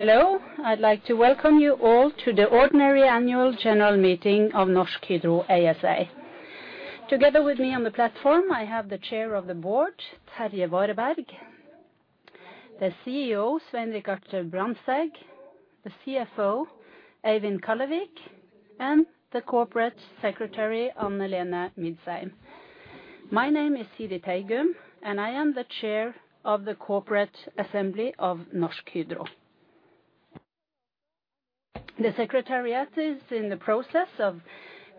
Hello. I'd like to welcome you all to the ordinary annual general meeting of Norsk Hydro ASA. Together with me on the platform, I have the Chair of the Board, Terje Vareberg, the CEO, Svein Richard Brandtzæg, the CFO, Eivind Kallevik, and the Corporate Secretary, Anne-Lene Midseim. My name is Siri Teigum, and I am the Chair of the Corporate Assembly of Norsk Hydro. The secretariat is in the process of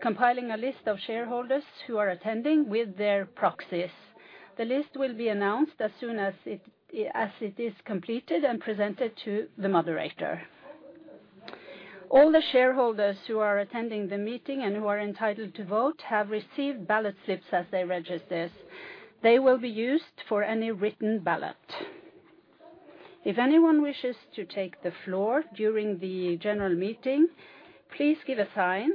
compiling a list of shareholders who are attending with their proxies. The list will be announced as soon as it is completed and presented to the moderator. All the shareholders who are attending the meeting and who are entitled to vote have received ballot slips as they registered. They will be used for any written ballot. If anyone wishes to take the floor during the general meeting, please give a sign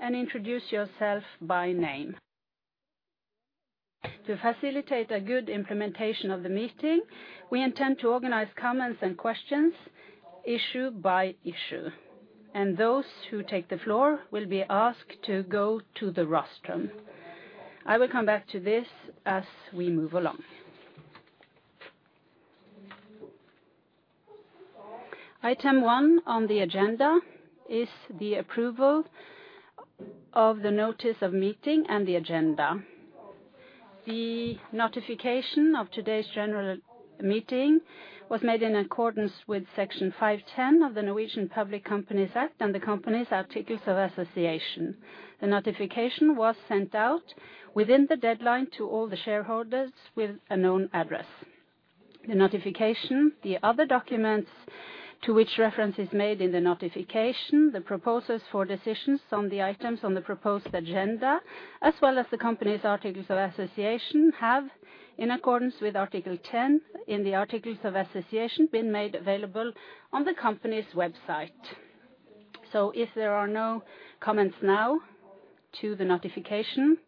and introduce yourself by name. To facilitate a good implementation of the meeting, we intend to organize comments and questions issue by issue, and those who take the floor will be asked to go to the rostrum. I will come back to this as we move along. Item 1 on the agenda is the approval of the notice of meeting and the agenda. The notification of today's general meeting was made in accordance with Section 5-10 of the Norwegian Public Companies Act and the company's articles of association. The notification was sent out within the deadline to all the shareholders with a known address. The notification, the other documents to which reference is made in the notification, the proposals for decisions on the items on the proposed agenda, as well as the company's articles of association, have, in accordance with Article 10 in the articles of association, been made available on the company's website. If there are no comments now to the notification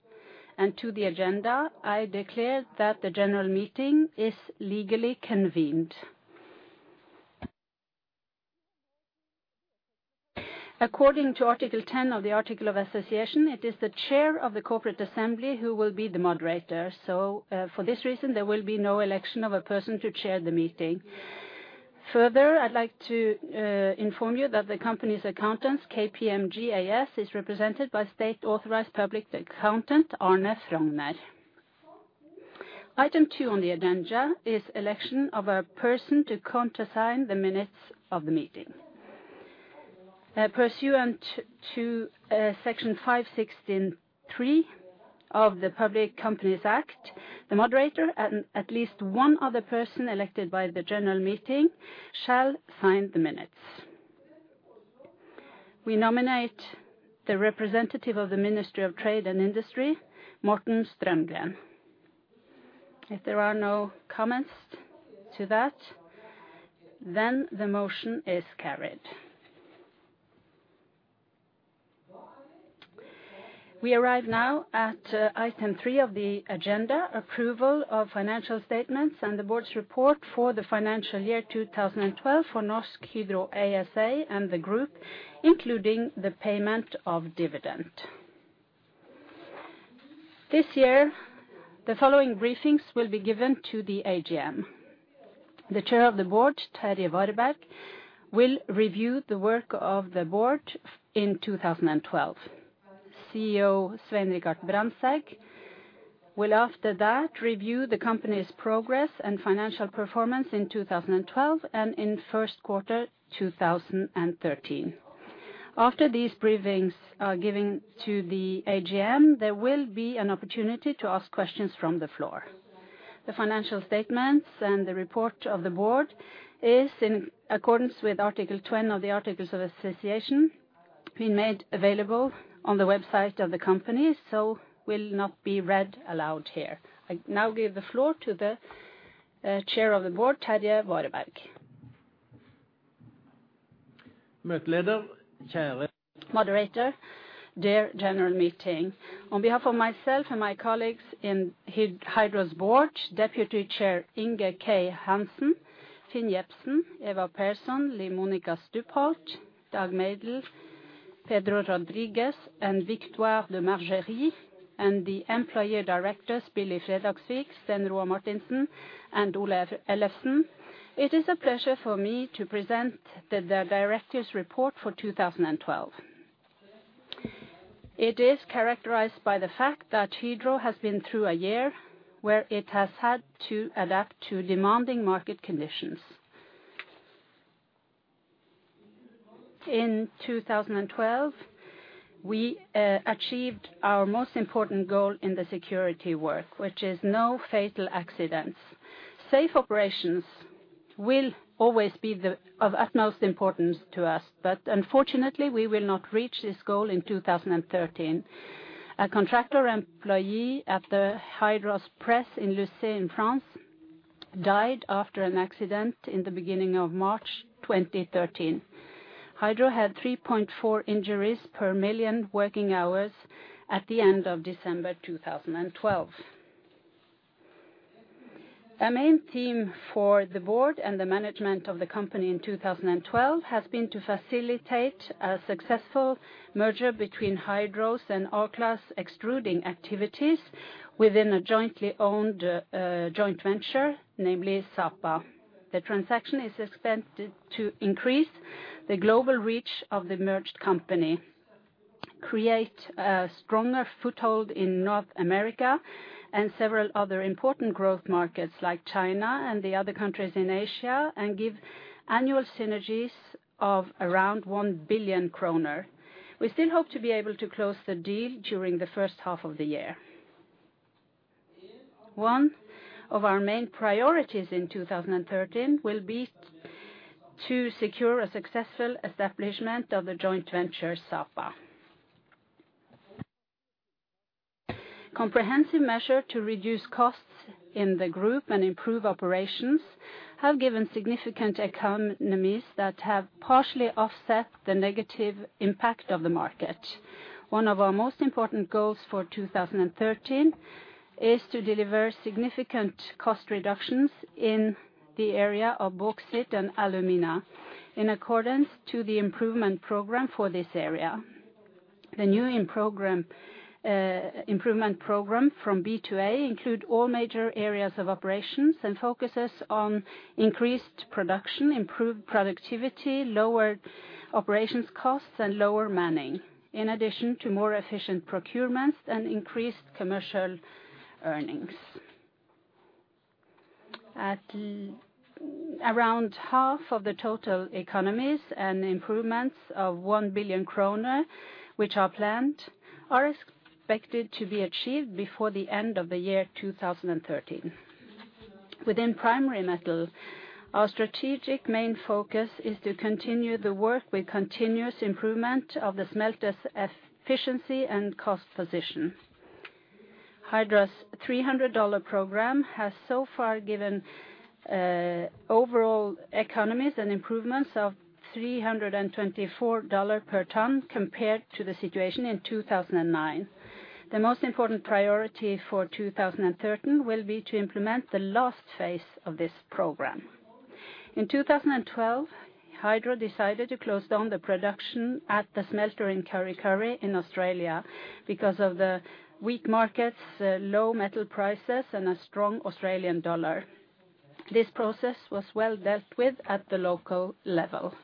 and to the agenda, I declare that the general meeting is legally convened. According to Article 10 of the articles of association, it is the chair of the corporate assembly who will be the moderator. For this reason, there will be no election of a person to chair the meeting. Further, I'd like to inform you that the company's accountants, KPMG AS, is represented by state-authorized public accountant, Arne Frogner. Item 2 on the agenda is election of a person to countersign the minutes of the meeting. Pursuant to Section 5-16-3 of the Public Limited Liability Companies Act, the moderator and at least one other person elected by the general meeting shall sign the minutes. We nominate the representative of the Ministry of Trade and Industry, Morten Stranden. If there are no comments to that, then the motion is carried. We arrive now at item three of the agenda: approval of financial statements and the board's report for the financial year 2012 for Norsk Hydro ASA and the group, including the payment of dividend. This year, the following briefings will be given to the AGM. The Chair of the Board, Terje Vareberg, will review the work of the board in 2012. CEO Svein Richard Brandtzæg will, after that, review the company's progress and financial performance in 2012 and in Q1 2013. After these briefings are given to the AGM, there will be an opportunity to ask questions from the floor. The financial statements and the report of the board is, in accordance with Article 10 of the articles of association, been made available on the website of the company so will not be read aloud here. I now give the floor to the Chair of the Board, Terje Vareberg. Moderator, dear general meeting. On behalf of myself and my colleagues in Hydro's board, Deputy Chair Inge K. Hansen, Finn Jebsen, Eva Persson, Liv Monica Stubholt, Dag Mejdell, Pedro Rodrigues, and Victoire de Margerie, and the employee directors, Billy Fredagsvik, Sten Roar Martinsen, and Ove Ellefsen, it is a pleasure for me to present the directors' report for 2012. It is characterized by the fact that Hydro has been through a year where it has had to adapt to demanding market conditions. In 2012, we achieved our most important goal in the safety work, which is no fatal accidents. Safe operations will always be of utmost importance to us, but unfortunately, we will not reach this goal in 2013. A contractor employee at Hydro's press in Lucé in France died after an accident in the beginning of March 2013. Hydro had 3.4 injuries per million working hours at the end of December 2012. Our main theme for the board and the management of the company in 2012 has been to facilitate a successful merger between Hydro's and Orkla's extrusion activities within a jointly owned joint venture, namely Sapa. The transaction is expected to increase the global reach of the merged company, create a stronger foothold in North America and several other important growth markets like China and the other countries in Asia, and give annual synergies of around 1 billion kroner. We still hope to be able to close the deal during the first half of the year. One of our main priorities in 2013 will be to secure a successful establishment of the joint venture, Sapa. Comprehensive measure to reduce costs in the group and improve operations have given significant economies that have partially offset the negative impact of the market. One of our most important goals for 2013 is to deliver significant cost reductions in the area of bauxite and alumina in accordance to the improvement program for this area. The new improvement program From B to A include all major areas of operations and focuses on increased production, improved productivity, lower operations costs, and lower manning, in addition to more efficient procurements and increased commercial earnings. Around half of the total economies and improvements of 1 billion kroner, which are planned, are expected to be achieved before the end of the year 2013. Within Primary Metal, our strategic main focus is to continue the work with continuous improvement of the smelter's efficiency and cost position. Hydro's $300 program has so far given overall economies and improvements of $324 per ton compared to the situation in 2009. The most important priority for 2013 will be to implement the last phase of this program. In 2012, Hydro decided to close down the production at the smelter in Kurri Kurri in Australia because of the weak markets, low metal prices, and a strong Australian dollar. This process was well dealt with at the local level.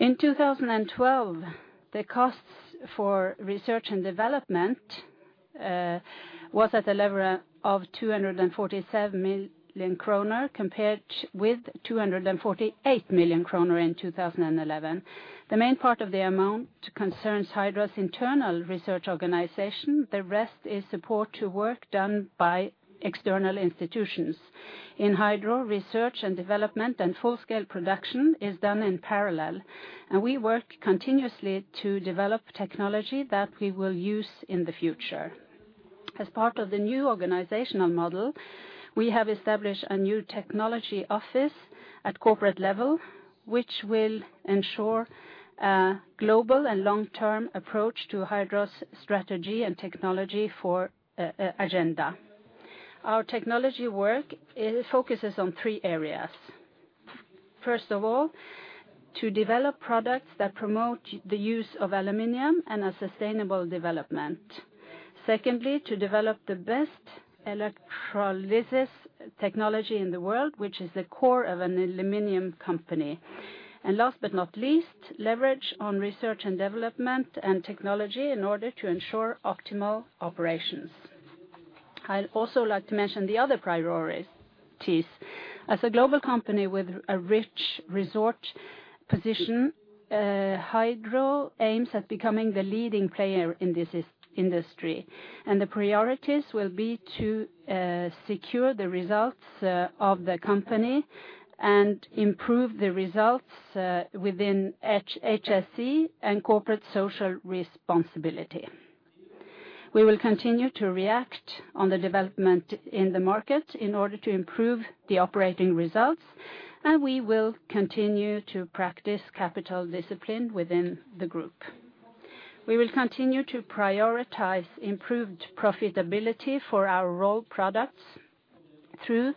In 2012, the costs for research and development was at the level of 247 million kroner compared with 248 million kroner in 2011. The main part of the amount concerns Hydro's internal research organization. The rest is support to work done by external institutions. In Hydro, research and development and full-scale production is done in parallel, and we work continuously to develop technology that we will use in the future. As part of the new organizational model, we have established a new technology office at corporate level, which will ensure a global and long-term approach to Hydro's strategy and technology agenda. Our technology work, it focuses on three areas. First of all, to develop products that promote the use of aluminum and a sustainable development. Secondly, to develop the best electrolysis technology in the world, which is the core of an aluminum company. And last but not least, leverage on research and development and technology in order to ensure optimal operations. I'd also like to mention the other priorities. As a global company with a rich resource position, Hydro aims at becoming the leading player in this industry, and the priorities will be to secure the results of the company and improve the results within HSE and corporate social responsibility. We will continue to react on the development in the market in order to improve the operating results, and we will continue to practice capital discipline within the group. We will continue to prioritize improved profitability for our rolled products through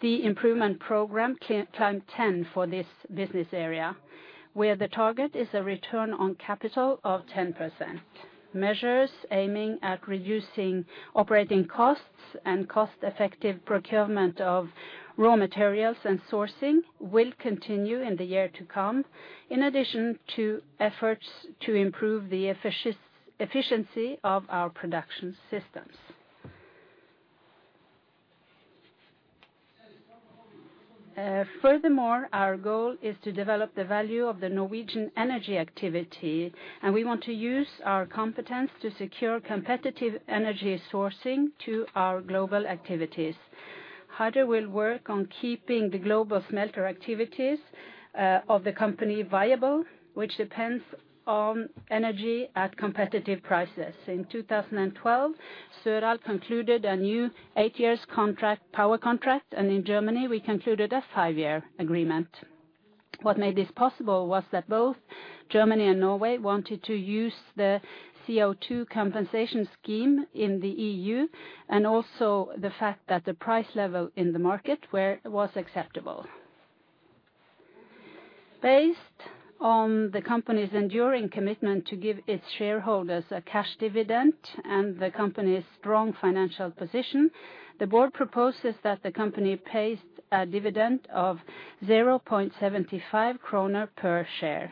the improvement program Climb 10 for this business area, where the target is a return on capital of 10%. Measures aiming at reducing operating costs and cost-effective procurement of raw materials and sourcing will continue in the year to come, in addition to efforts to improve the efficiency of our production systems. Furthermore, our goal is to develop the value of the Norwegian energy activity, and we want to use our competence to secure competitive energy sourcing to our global activities. Hydro will work on keeping the global smelter activities of the company viable, which depends on energy at competitive prices. In 2012, Søral concluded a new 8-year power contract, and in Germany, we concluded a 5-year agreement. What made this possible was that both Germany and Norway wanted to use the CO₂ compensation scheme in the EU, and also the fact that the price level in the market where it was acceptable. Based on the company's enduring commitment to give its shareholders a cash dividend and the company's strong financial position, the board proposes that the company pays a dividend of 0.75 kroner per share.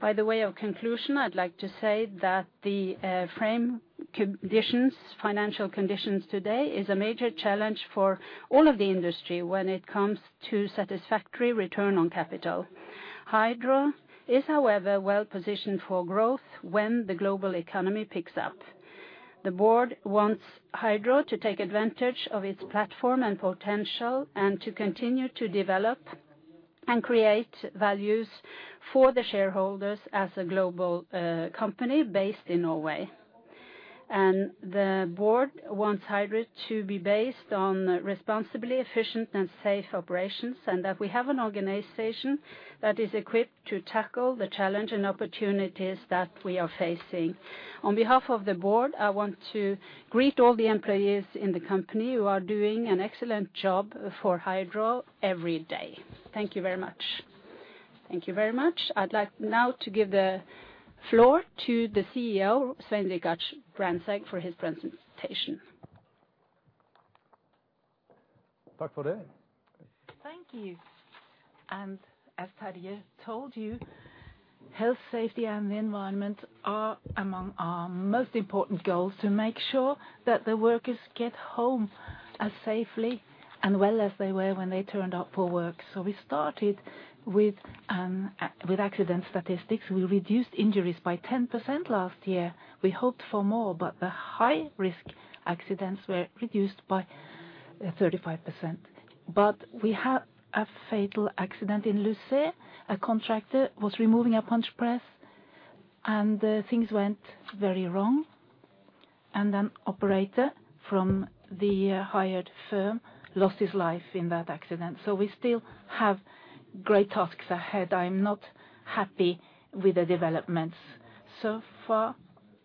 By way of conclusion, I'd like to say that the frame conditions, financial conditions today is a major challenge for all of the industry when it comes to satisfactory return on capital. Hydro is, however, well-positioned for growth when the global economy picks up. The board wants Hydro to take advantage of its platform and potential and to continue to develop and create values for the shareholders as a global, company based in Norway. The board wants Hydro to be based on responsibly efficient and safe operations, and that we have an organization that is equipped to tackle the challenge and opportunities that we are facing. On behalf of the board, I want to greet all the employees in the company who are doing an excellent job for Hydro every day. Thank you very much. I'd like now to give the floor to the CEO, Svein Richard Brandtzæg, for his presentation. Thank you. As Terje told you, health, safety, and the environment are among our most important goals to make sure that the workers get home as safely and well as they were when they turned up for work. We started with accident statistics. We reduced injuries by 10% last year. We hoped for more, but the high-risk accidents were reduced by 35%. We had a fatal accident in Lucé. A contractor was removing a punch press, and things went very wrong, and an operator from the hired firm lost his life in that accident. We still have great tasks ahead. I'm not happy with the developments. So far,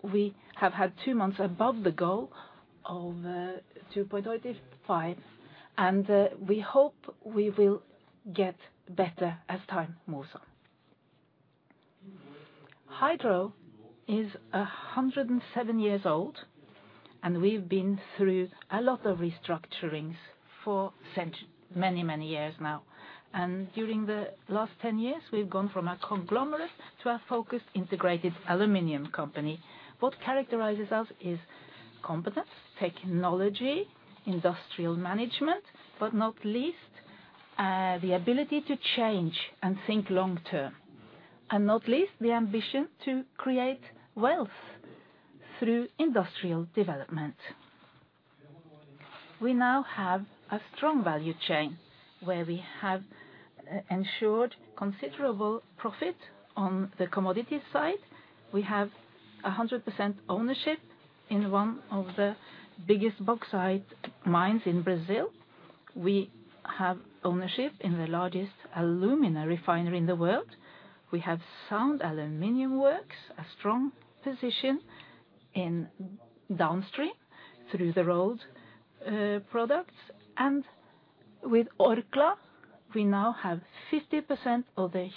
we have had two months above the goal of 2.85, and we hope we will get better as time moves on. Hydro is 107 years old, and we've been through a lot of restructurings for many, many years now. During the last 10 years, we've gone from a conglomerate to a focused, integrated aluminum company. What characterizes us is competence, technology, industrial management, but not least, the ability to change and think long term, and not least, the ambition to create wealth through industrial development. We now have a strong value chain where we have ensured considerable profit on the commodity side. We have 100% ownership in one of the biggest bauxite mines in Brazil. We have ownership in the largest alumina refinery in the world. We have sound aluminum works, a strong position in downstream through the rolled products. With Orkla, we now have 50% of the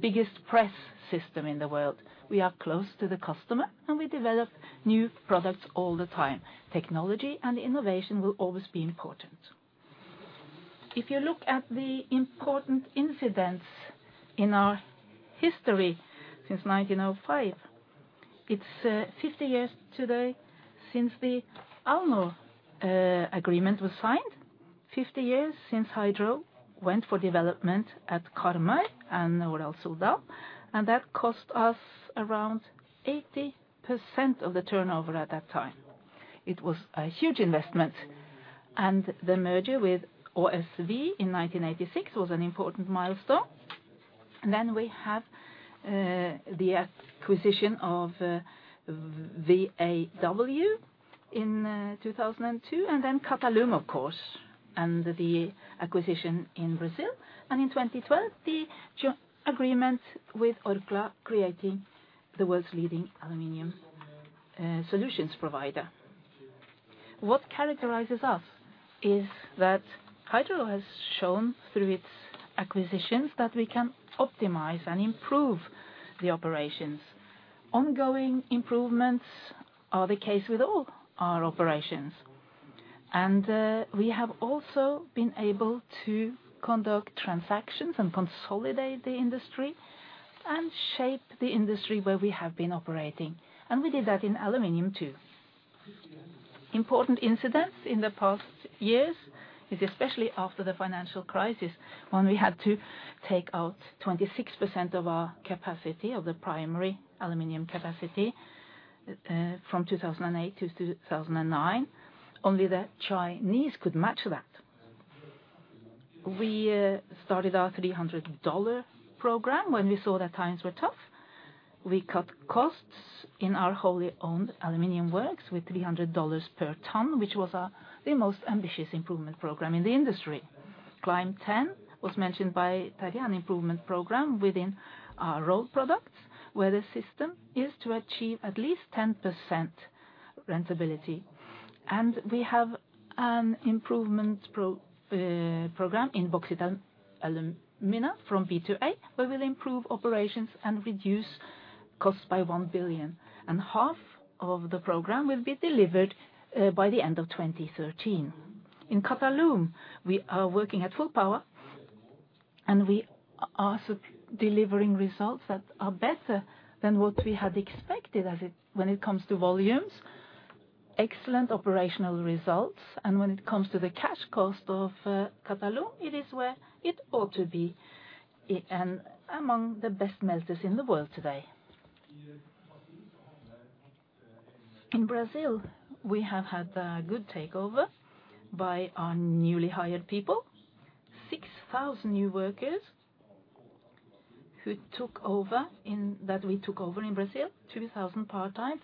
biggest press system in the world. We are close to the customer, and we develop new products all the time. Technology and innovation will always be important. If you look at the important incidents in our history since 1905, it's 50 years today since the Alnor agreement was signed, 50 years since Hydro went for development at Karmøy and Norsk Hydro, and that cost us around 80% of the turnover at that time. It was a huge investment, and the merger with ÅSV in 1986 was an important milestone. We have the acquisition of VAW in 2002, and then Qatalum, of course, and the acquisition in Brazil. In 2012, the joint agreement with Orkla, creating the world's leading aluminum solutions provider. What characterizes us is that Hydro has shown through its acquisitions that we can optimize and improve the operations. Ongoing improvements are the case with all our operations. We have also been able to conduct transactions and consolidate the industry and shape the industry where we have been operating, and we did that in aluminum, too. Important incidents in the past years is especially after the financial crisis, when we had to take out 26% of our capacity, of the primary aluminum capacity, from 2008 to 2009. Only the Chinese could match that. We started our $300 program when we saw that times were tough. We cut costs in our wholly owned aluminum works with $300 per ton, which was the most ambitious improvement program in the industry. Climb 10 was mentioned by Terje, an improvement program within our rolled products, where the system is to achieve at least 10% profitability. We have an improvement program in bauxite and alumina from B to A. We will improve operations and reduce costs by 1 billion, and half of the program will be delivered by the end of 2013. In Qatalum, we are working at full power, and we are delivering results that are better than what we had expected when it comes to volumes. Excellent operational results. When it comes to the cash cost of Qatalum, it is where it ought to be, and among the best smelters in the world today. In Brazil, we have had a good takeover by our newly hired people. 6,000 new workers that we took over in Brazil, 2,000 part-time,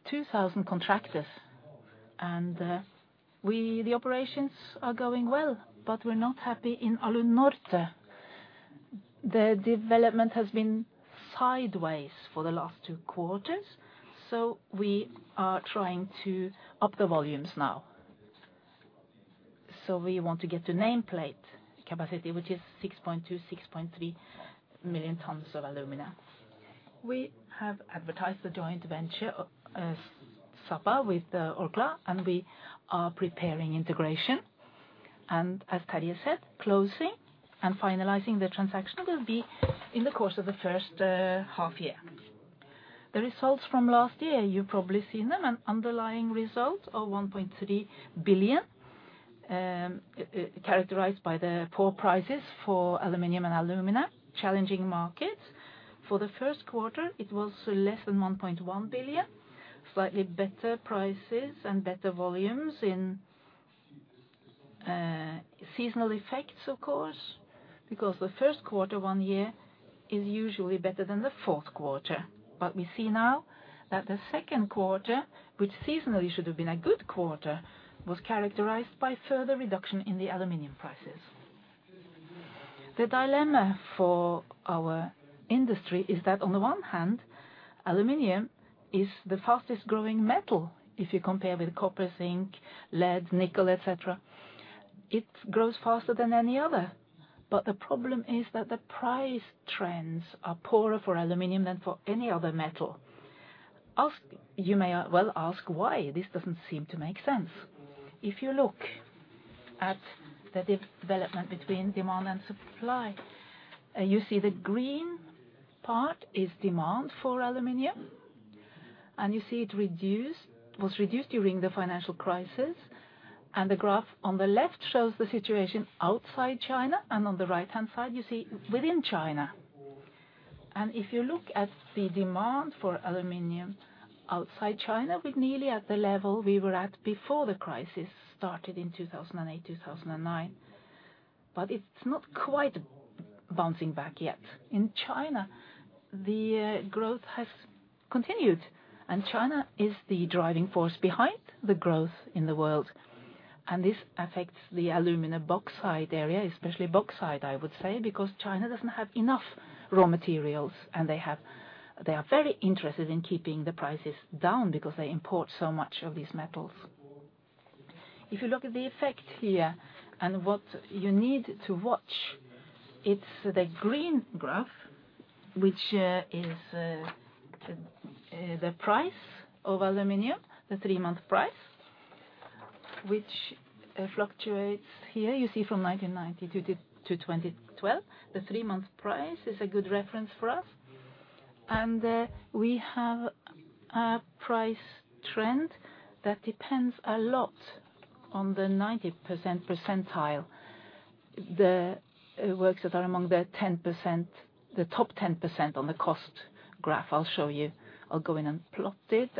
4,000 full-time, 2,000 contractors. The operations are going well, but we're not happy in Alunorte. The development has been sideways for the last two quarters, so we are trying to up the volumes now. We want to get to nameplate capacity, which is 6.2-6.3 million tons of alumina. We have advertised the joint venture of Sapa with Orkla, and we are preparing integration. As Terje said, closing and finalizing the transaction will be in the course of the first half year. The results from last year, you've probably seen them, an underlying result of 1.3 billion, characterized by the poor prices for aluminium and alumina, challenging markets. For the Q1, it was less than 1.1 billion. Slightly better prices and better volumes in seasonal effects, of course, because the Q1 one year is usually better than the fourth quarter. We see now that the Q2, which seasonally should have been a good quarter, was characterized by further reduction in the aluminum prices. The dilemma for our industry is that on the one hand, aluminum is the fastest growing metal, if you compare with copper, zinc, lead, nickel, et cetera. It grows faster than any other. The problem is that the price trends are poorer for aluminum than for any other metal. You may, well, ask why this doesn't seem to make sense. If you look at the development between demand and supply, you see the green part is demand for aluminum, and you see it was reduced during the financial crisis. The graph on the left shows the situation outside China, and on the right-hand side, you see within China. If you look at the demand for aluminum outside China, we're nearly at the level we were at before the crisis started in 2008, 2009. It's not quite bouncing back yet. In China, the growth has continued, and China is the driving force behind the growth in the world. This affects the alumina bauxite area, especially bauxite, I would say, because China doesn't have enough raw materials, and they are very interested in keeping the prices down because they import so much of these metals. If you look at the effect here and what you need to watch, it's the green graph, which is the price of aluminum, the three-month price, which fluctuates here, you see from 1990 to 2012. The three-month price is a good reference for us. We have a price trend that depends a lot on the 90% percentile. The works that are among the 10%, the top 10% on the cost graph, I'll show you. I'll go in and plot it.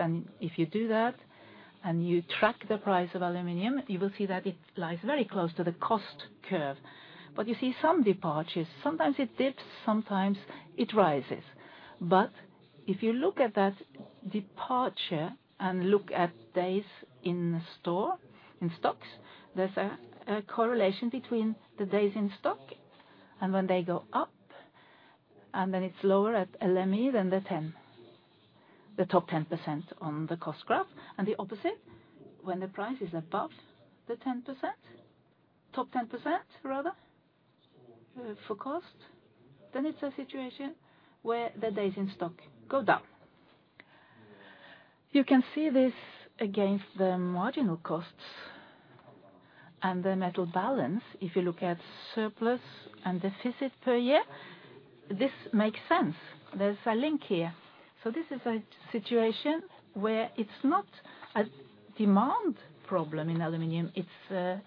If you do that and you track the price of aluminum, you will see that it lies very close to the cost curve. You see some departures. Sometimes it dips, sometimes it rises. If you look at that departure and look at days in stock, in stocks, there's a correlation between the days in stock and when they go up, and then it's lower at LME than the 10%, the top 10% on the cost graph. The opposite, when the price is above the 10%, top 10% rather for cost, then it's a situation where the days in stock go down. You can see this against the marginal costs and the metal balance. If you look at surplus and deficit per year, this makes sense. There's a link here. This is a situation where it's not a demand problem in aluminum, it's a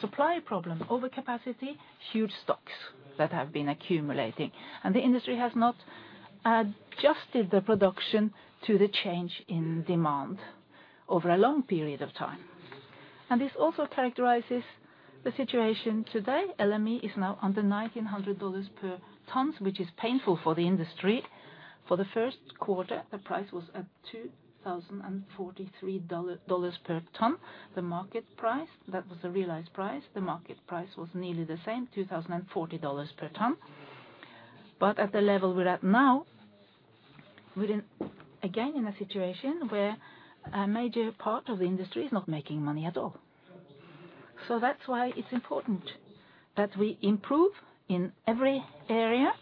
supply problem, overcapacity, huge stocks that have been accumulating, and the industry has not adjusted the production to the change in demand over a long period of time. This also characterizes the situation today. LME is now under $1,900 per ton, which is painful for the industry. For the Q1, the price was at $2,043 per ton. The market price, that was the realized price, the market price was nearly the same, $2,040 per ton. At the level we're at now, we're in again, in a situation where a major part of the industry is not making money at all. That's why it's important that we improve in every area,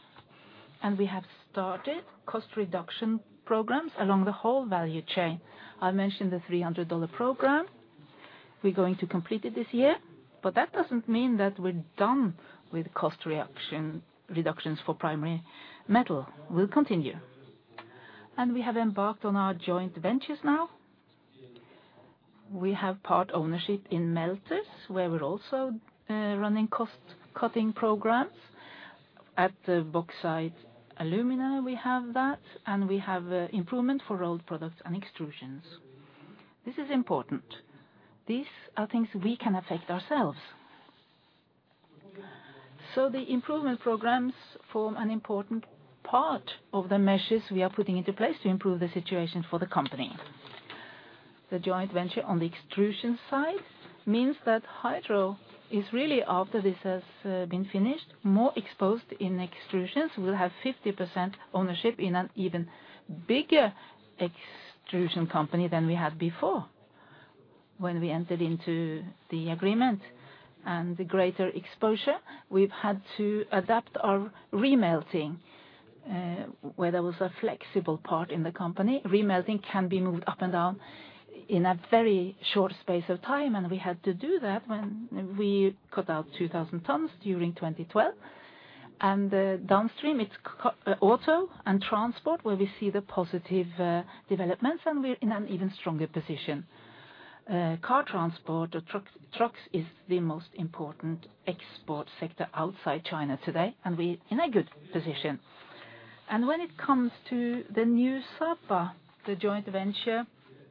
and we have started cost reduction programs along the whole value chain. I mentioned the $300 Programme. We're going to complete it this year, but that doesn't mean that we're done with cost reductions for Primary Metal. We'll continue. We have embarked on our joint ventures now. We have part ownership in smelters, where we're also running cost-cutting programs. At the bauxite and alumina, we have that, and we have improvement for rolled products and extrusions. This is important. These are things we can affect ourselves. The improvement programs form an important part of the measures we are putting into place to improve the situation for the company. The joint venture on the extrusion side means that Hydro is really, after this has been finished, more exposed in extrusions. We'll have 50% ownership in an even bigger extrusion company than we had before when we entered into the agreement. The greater exposure, we've had to adapt our re-melting, where there was a flexible part in the company. Re-melting can be moved up and down in a very short space of time, and we had to do that when we cut out 2,000 tons during 2012. Downstream, it's auto and transport where we see the positive developments, and we're in an even stronger position. Car transport or truck, trucks is the most important export sector outside China today, and we're in a good position. When it comes to the new Sapa, the joint venture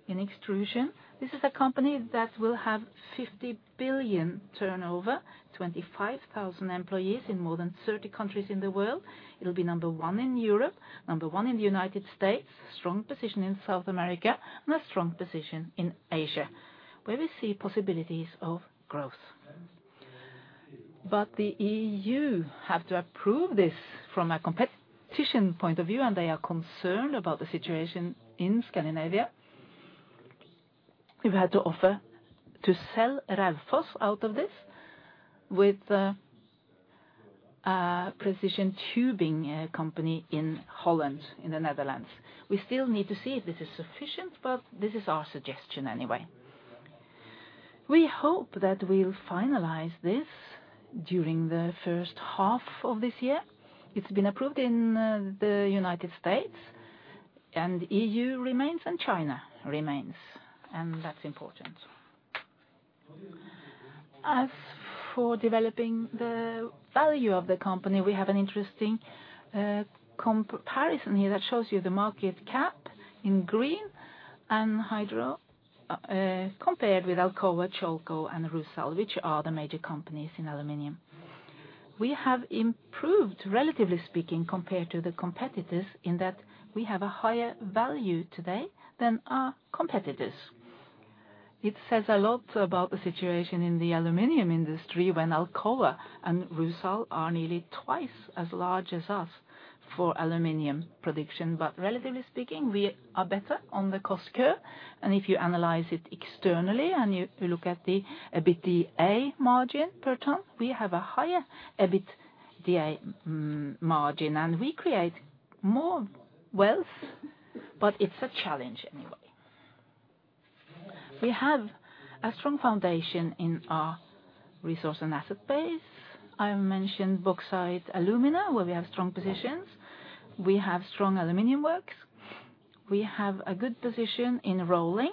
in extrusion, this is a company that will have 50 billion turnover, 25,000 employees in more than 30 countries in the world. It'll be number one in Europe, number one in the United States, strong position in South America, and a strong position in Asia, where we see possibilities of growth. The EU have to approve this from a competition point of view, and they are concerned about the situation in Scandinavia. We've had to offer to sell Raufoss out of this with, a precision tubing, company in Holland, in the Netherlands. We still need to see if this is sufficient, but this is our suggestion anyway. We hope that we'll finalize this during the first half of this year. It's been approved in the United States, and EU remains, and China remains, and that's important. As for developing the value of the company, we have an interesting comparison here that shows you the market cap in green and Hydro compared with Alcoa, Chalco, and Rusal, which are the major companies in aluminum. We have improved, relatively speaking, compared to the competitors in that we have a higher value today than our competitors. It says a lot about the situation in the aluminum industry when Alcoa and Rusal are nearly twice as large as us for aluminum production. Relatively speaking, we are better on the cost curve. If you analyze it externally and you look at the EBITDA margin per ton, we have a higher EBITDA margin, and we create more wealth, but it's a challenge anyway. We have a strong foundation in our resource and asset base. I mentioned bauxite alumina, where we have strong positions. We have strong aluminum works. We have a good position in rolling.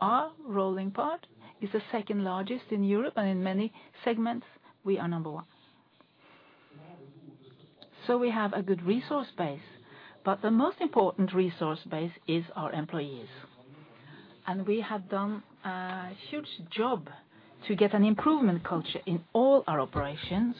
Our rolling part is the second largest in Europe, and in many segments, we are number one. We have a good resource base, but the most important resource base is our employees. We have done a huge job to get an improvement culture in all our operations.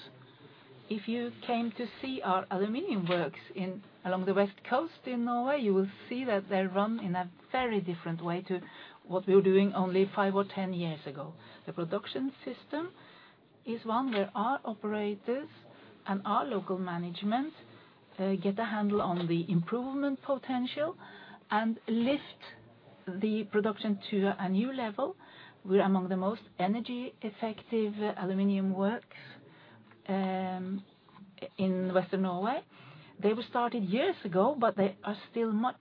If you came to see our aluminum works in along the West Coast in Norway, you will see that they're run in a very different way to what we were doing only 5 or 10 years ago. The production system is one where our operators and our local management get a handle on the improvement potential and lift the production to a new level. We're among the most energy-effective aluminum works in Western Norway. They were started years ago, but they are still much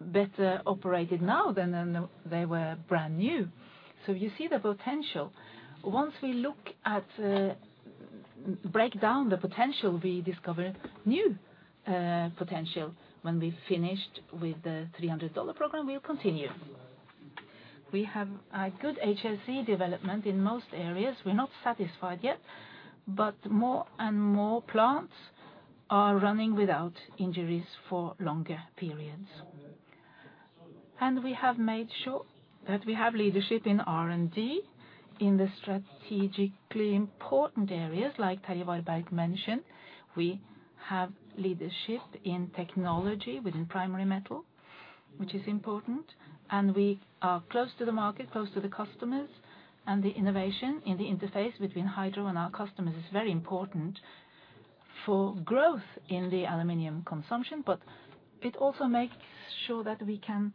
better operated now than when they were brand new. You see the potential. Once we look at, break down the potential, we discover new potential. When we've finished with the $300 program, we'll continue. We have a good HSE development in most areas. We're not satisfied yet, but more and more plants are running without injuries for longer periods. We have made sure that we have leadership in R&D in the strategically important areas, like Terje Vareberg mentioned. We have leadership in technology within Primary Metal, which is important, and we are close to the market, close to the customers, and the innovation in the interface between Hydro and our customers is very important for growth in the aluminum consumption. It also makes sure that we can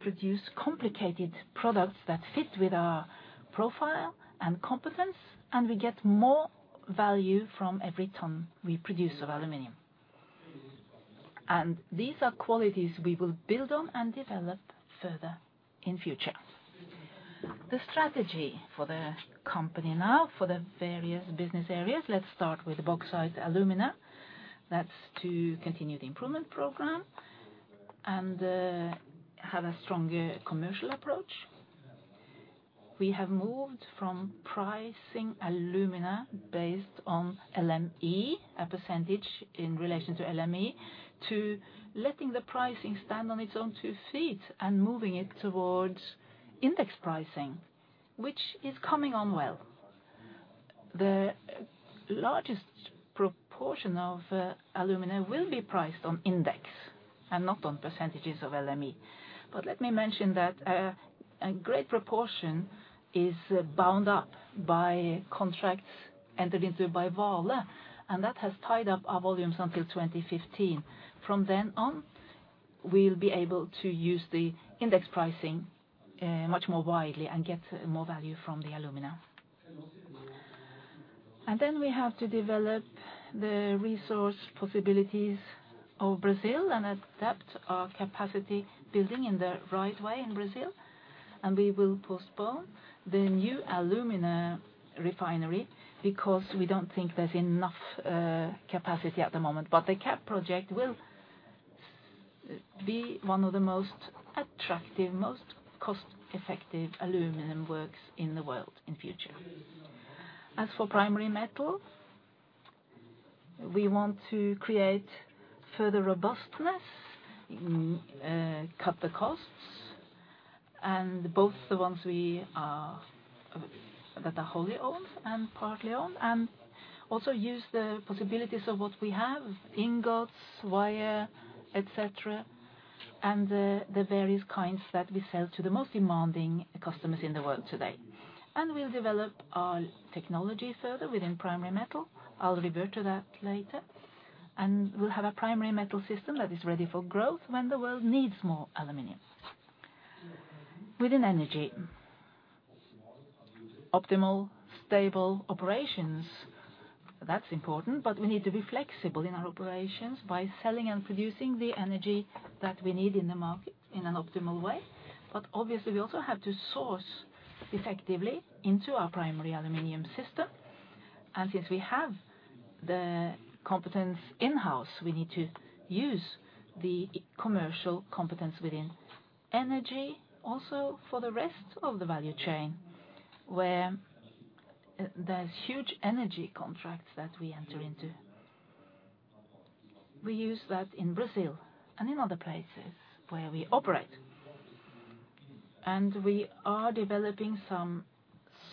produce complicated products that fit with our profile and competence, and we get more value from every ton we produce of aluminum. These are qualities we will build on and develop further in future. The strategy for the company now for the various business areas, let's start with bauxite and alumina. That's to continue the improvement program and have a stronger commercial approach. We have moved from pricing alumina based on LME, a percentage in relation to LME, to letting the pricing stand on its own two feet and moving it towards index pricing, which is coming on well. The largest proportion of alumina will be priced on index and not on percentages of LME. Let me mention that a great proportion is bound up by contracts entered into by Vale, and that has tied up our volumes until 2015. From then on, we'll be able to use the index pricing much more widely and get more value from the alumina. Then we have to develop the resource possibilities of Brazil and adapt our capacity building in the right way in Brazil. We will postpone the new alumina refinery because we don't think there's enough capacity at the moment. The cap project will be one of the most attractive, most cost-effective aluminum works in the world in future. As for Primary Metal, we want to create further robustness, cut the costs, and both the ones that are wholly owned and partly owned, and also use the possibilities of what we have, ingots, wire, et cetera, and the various kinds that we sell to the most demanding customers in the world today. We'll develop our technology further within Primary Metal. I'll revert to that later. We'll have a Primary Metal system that is ready for growth when the world needs more aluminum. Within energy, optimal stable operations, that's important, but we need to be flexible in our operations by selling and producing the energy that we need in the market in an optimal way. Obviously, we also have to source effectively into our primary aluminum system. Since we have the competence in-house, we need to use the commercial competence within energy also for the rest of the value chain, where there's huge energy contracts that we enter into. We use that in Brazil and in other places where we operate. We are developing some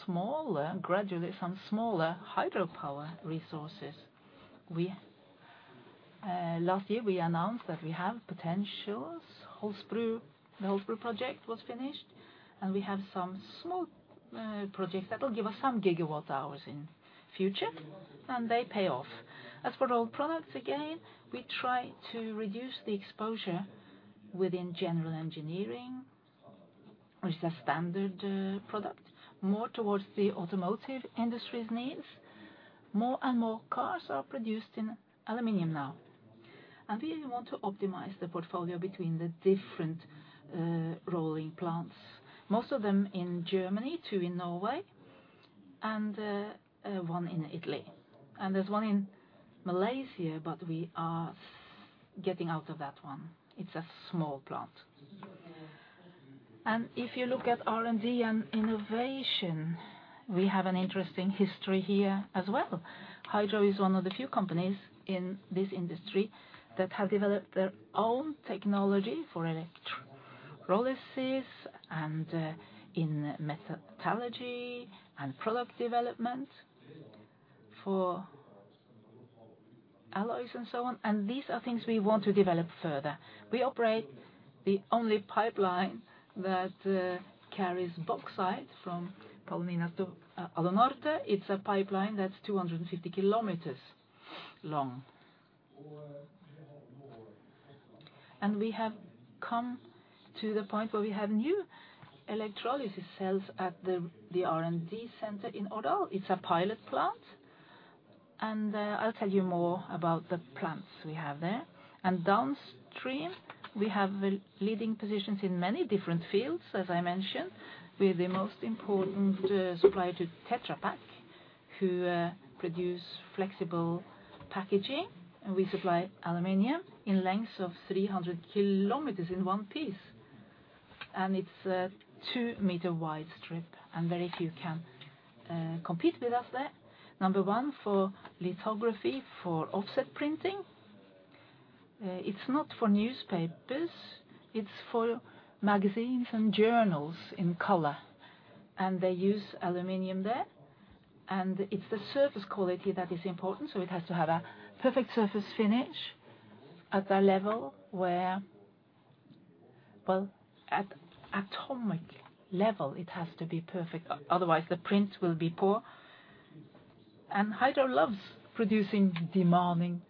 smaller hydropower resources. Last year we announced that we have potentials. Holsbru, the Holsbru project was finished, and we have some small projects that will give us some gigawatt hours in future, and they pay off. As for rolled products, again, we try to reduce the exposure within general engineering, which is a standard product, more towards the automotive industry's needs. More and more cars are produced in aluminium now, and we want to optimize the portfolio between the different rolling plants, most of them in Germany, two in Norway, and one in Italy. There's one in Malaysia, but we are getting out of that one. It's a small plant. If you look at R&D and innovation, we have an interesting history here as well. Hydro is one of the few companies in this industry that have developed their own technology for electrolysis and in metallurgy and product development for alloys and so on. These are things we want to develop further. We operate the only pipeline that carries bauxite from Paragominas to Alunorte. It's a pipeline that's 250 km long. We have come to the point where we have new electrolysis cells at the R&D center in Odda. It's a pilot plant. I'll tell you more about the plants we have there. Downstream, we have leading positions in many different fields, as I mentioned. We're the most important supplier to Tetra Pak, who produce flexible packaging, and we supply aluminum in lengths of 300 kilometers in one piece. It's a 2-meter wide strip, and very few can compete with us there. Number one for lithography, for offset printing. It's not for newspapers, it's for magazines and journals in color, and they use aluminum there. It's the surface quality that is important, so it has to have a perfect surface finish at a level where, well, at atomic level, it has to be perfect. Otherwise, the print will be poor. Hydro loves producing demanding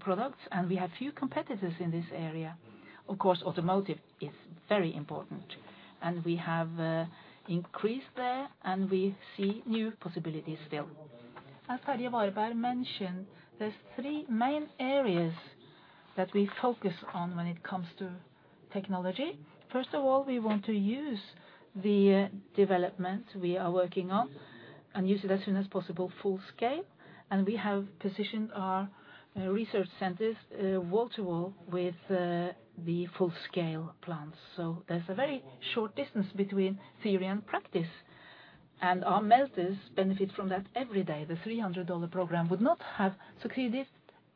products, and we have few competitors in this area. Of course, automotive is very important, and we have increased there, and we see new possibilities still. As Terje Vareberg mentioned, there's three main areas that we focus on when it comes to technology. First of all, we want to use the development we are working on and use it as soon as possible full scale. We have positioned our research centers wall-to-wall with the full-scale plants. So there's a very short distance between theory and practice, and our smelters benefit from that every day. The $300 program would not have succeeded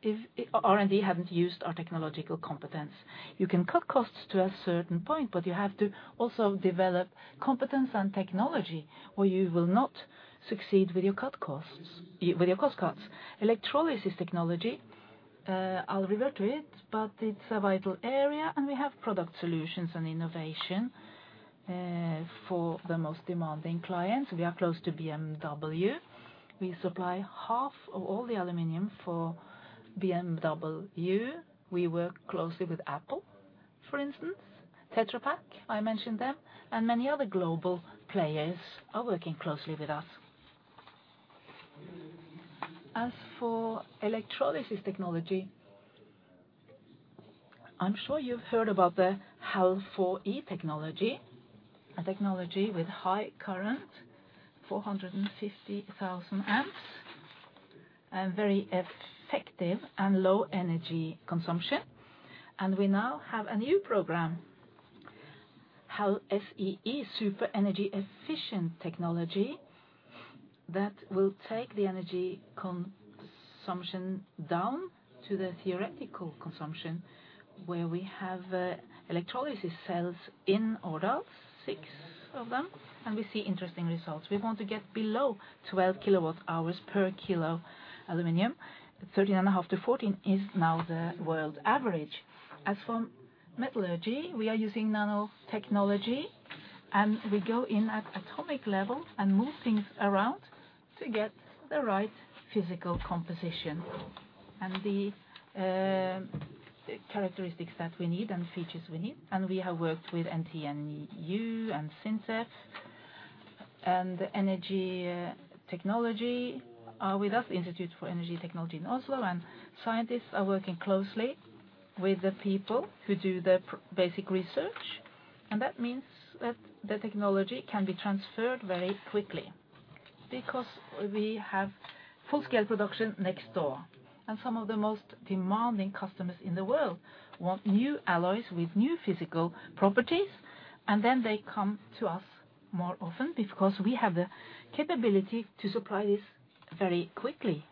if R&D hadn't used our technological competence. You can cut costs to a certain point, but you have to also develop competence and technology, or you will not succeed with your cost cuts. Electrolysis technology, I'll revert to it, but it's a vital area, and we have product solutions and innovation for the most demanding clients. We are close to BMW. We supply half of all the aluminum for BMW. We work closely with Apple, for instance. Tetra Pak, I mentioned them, and many other global players are working closely with us. As for electrolysis technology, I'm sure you've heard about the HAL4e technology, a technology with high current, 450,000 amps, and very effective and low energy consumption. We now have a new program, HAL4e Ultra, super energy-efficient technology, that will take the energy consumption down to the theoretical consumption, where we have electrolysis cells in Årdal, 6 of them, and we see interesting results. We want to get below 12 kWh per kilo aluminum. 13.5-14 is now the world average. As for metallurgy, we are using nanotechnology, and we go in at atomic level and move things around to get the right physical composition and the characteristics that we need and features we need. We have worked with NTNU and SINTEF. Energy technology are with us, Institute for Energy Technology in Oslo, and scientists are working closely with the people who do basic research. That means that the technology can be transferred very quickly because we have full-scale production next door. Some of the most demanding customers in the world want new alloys with new physical properties, and then they come to us more often because we have the capability to supply this very quickly.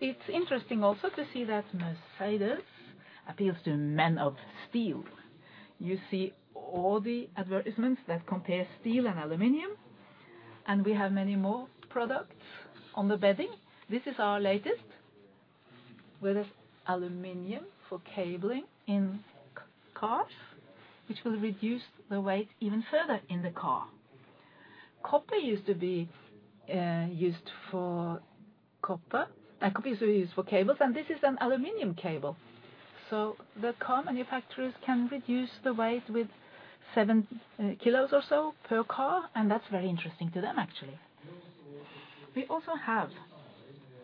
It's interesting also to see that Mercedes appeals to men of steel. You see all the advertisements that compare steel and aluminum, and we have many more products in the building. This is our latest, with aluminum for cabling in e-cars, which will reduce the weight even further in the car. Copper used to be used for cables, and this is an aluminum cable. So the car manufacturers can reduce the weight with 7 kilos or so per car, and that's very interesting to them, actually. We also have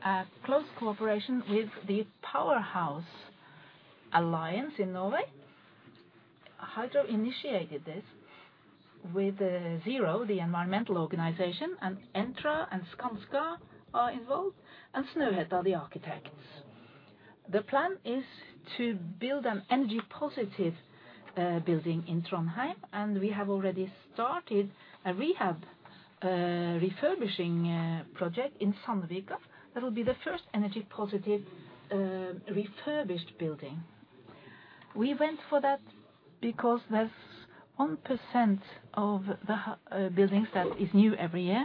a close cooperation with the Powerhouse in Norway. Hydro initiated this with Zero, the environmental organization, and Entra and Skanska are involved, and Snøhetta, the architects. The plan is to build an energy-positive building in Trondheim, and we have already started a refurbishing project in Sandvika. That'll be the first energy-positive refurbished building. We went for that because there's 1% of the buildings that is new every year,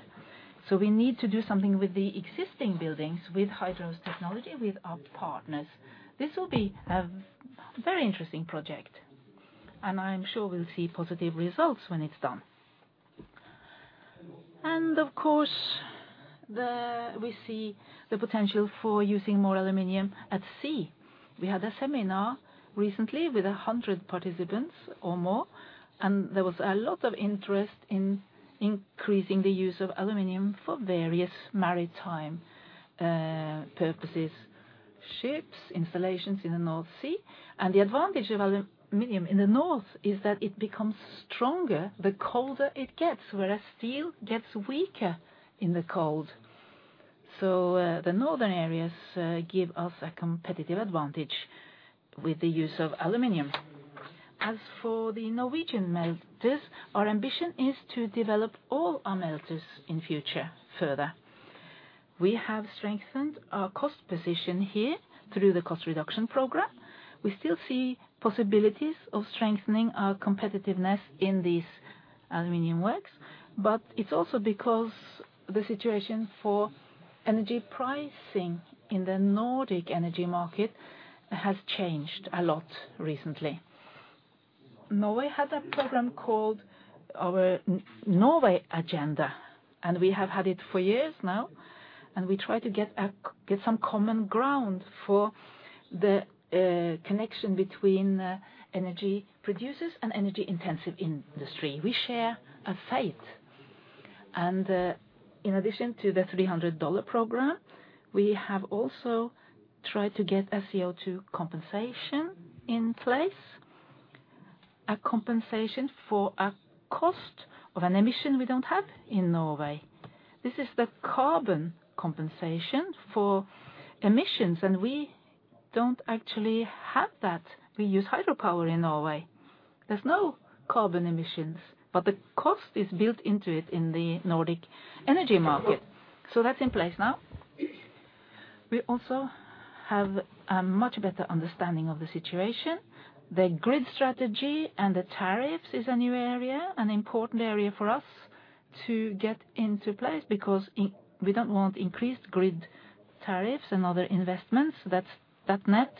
so we need to do something with the existing buildings with Hydro's technology, with our partners. This will be a very interesting project, and I am sure we'll see positive results when it's done. Of course, we see the potential for using more aluminum at sea. We had a seminar recently with 100 participants or more, and there was a lot of interest in increasing the use of aluminum for various maritime purposes, ships, installations in the North Sea. The advantage of aluminum in the north is that it becomes stronger the colder it gets, whereas steel gets weaker in the cold. The northern areas give us a competitive advantage with the use of aluminum. As for the Norwegian smelters, our ambition is to develop all our smelters in future further. We have strengthened our cost position here through the cost reduction program. We still see possibilities of strengthening our competitiveness in these aluminium works, but it's also because the situation for energy pricing in the Nordic energy market has changed a lot recently. Norway had a program called Norsk Agenda, and we have had it for years now, and we try to get some common ground for the connection between energy producers and energy-intensive industry. We share a fate. In addition to the $300 program, we have also tried to get a CO2 compensation in place, a compensation for a cost of an emission we don't have in Norway. This is the carbon compensation for emissions, and we don't actually have that. We use hydropower in Norway. There's no carbon emissions, but the cost is built into it in the Nordic energy market. That's in place now. We also have a much better understanding of the situation. The grid strategy and the tariffs is a new area, an important area for us to get into place because we don't want increased grid tariffs and other investments that net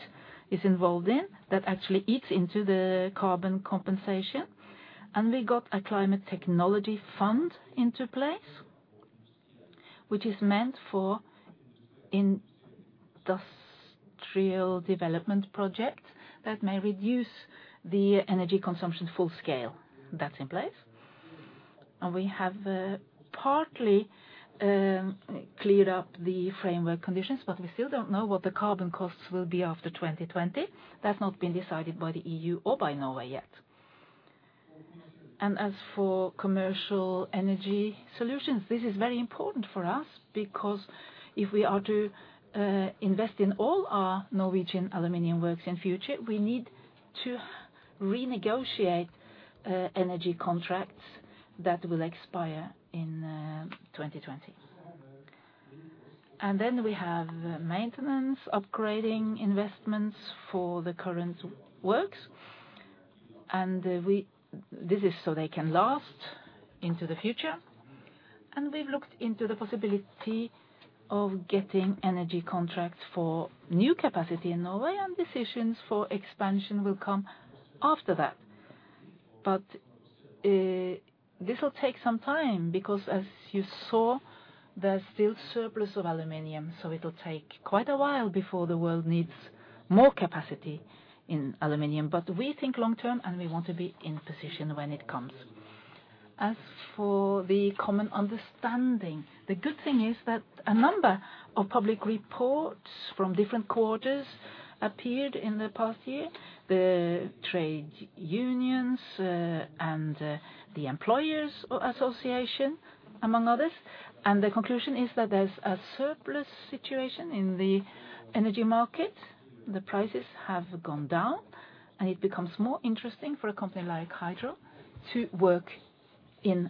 is involved in that actually eats into the carbon compensation. We got a climate technology fund into place, which is meant for industrial development projects that may reduce the energy consumption full scale. That's in place. We have partly cleared up the framework conditions, but we still don't know what the carbon costs will be after 2020. That's not been decided by the EU or by Norway yet. As for commercial energy solutions, this is very important for us because if we are to invest in all our Norwegian aluminum works in future, we need to renegotiate energy contracts that will expire in 2020. Then we have maintenance, upgrading investments for the current works. This is so they can last into the future. We've looked into the possibility of getting energy contracts for new capacity in Norway, and decisions for expansion will come after that. This will take some time because as you saw, there's still surplus of aluminum, so it'll take quite a while before the world needs more capacity in aluminum. We think long-term, and we want to be in position when it comes. As for the common understanding, the good thing is that a number of public reports from different quarters appeared in the past year, the trade unions, and the employers association, among others. The conclusion is that there's a surplus situation in the energy market. The prices have gone down, and it becomes more interesting for a company like Hydro to work in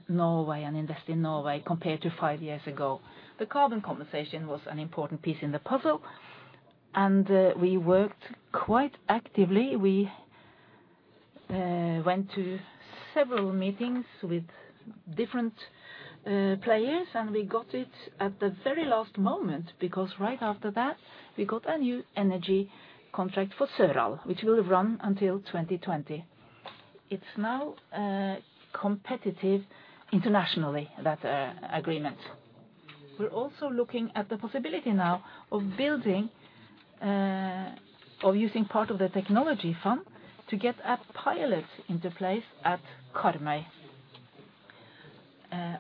Norway and invest in Norway compared to five years ago. The CO2 compensation was an important piece in the puzzle, and we worked quite actively. We went to several meetings with different players, and we got it at the very last moment because right after that, we got a new energy contract for Søral, which will run until 2020. It's now competitive internationally, that agreement. We're also looking at the possibility now of building or using part of the technology fund to get a pilot into place at Karmøy.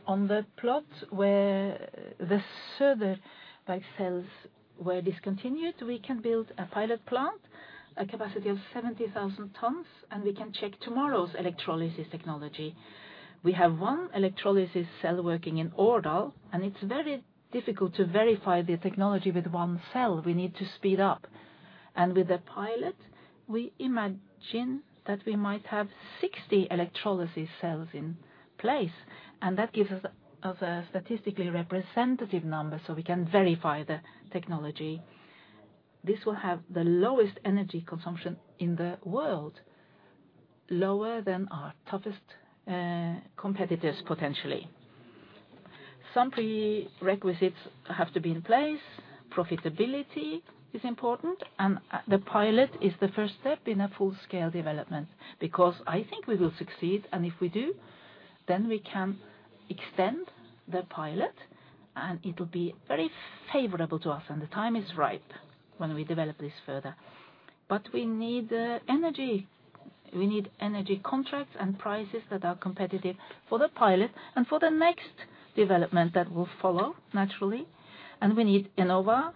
On the plot where the Søderberg cells were discontinued, we can build a pilot plant, a capacity of 70,000 tons, and we can check tomorrow's electrolysis technology. We have one electrolysis cell working in Årdal, and it's very difficult to verify the technology with one cell. We need to speed up. With the pilot, we imagine that we might have 60 electrolysis cells in place, and that gives us a statistically representative number, so we can verify the technology. This will have the lowest energy consumption in the world, lower than our toughest competitors potentially. Some prerequisites have to be in place. Profitability is important, and the pilot is the first step in a full-scale development because I think we will succeed, and if we do, then we can extend the pilot, and it will be very favorable to us. The time is ripe when we develop this further. We need energy contracts and prices that are competitive for the pilot and for the next development that will follow naturally. We need Enova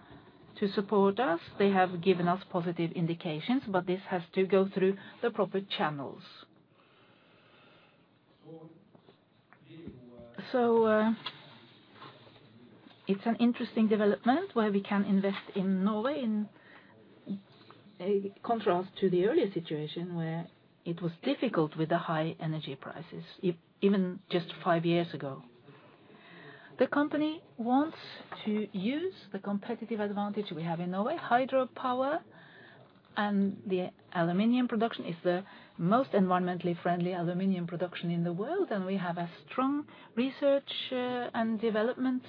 to support us. They have given us positive indications, but this has to go through the proper channels. It's an interesting development where we can invest in Norway in contrast to the earlier situation where it was difficult with the high energy prices, even just five years ago. The company wants to use the competitive advantage we have in Norway, hydropower, and the aluminium production is the most environmentally friendly aluminium production in the world. We have a strong research and development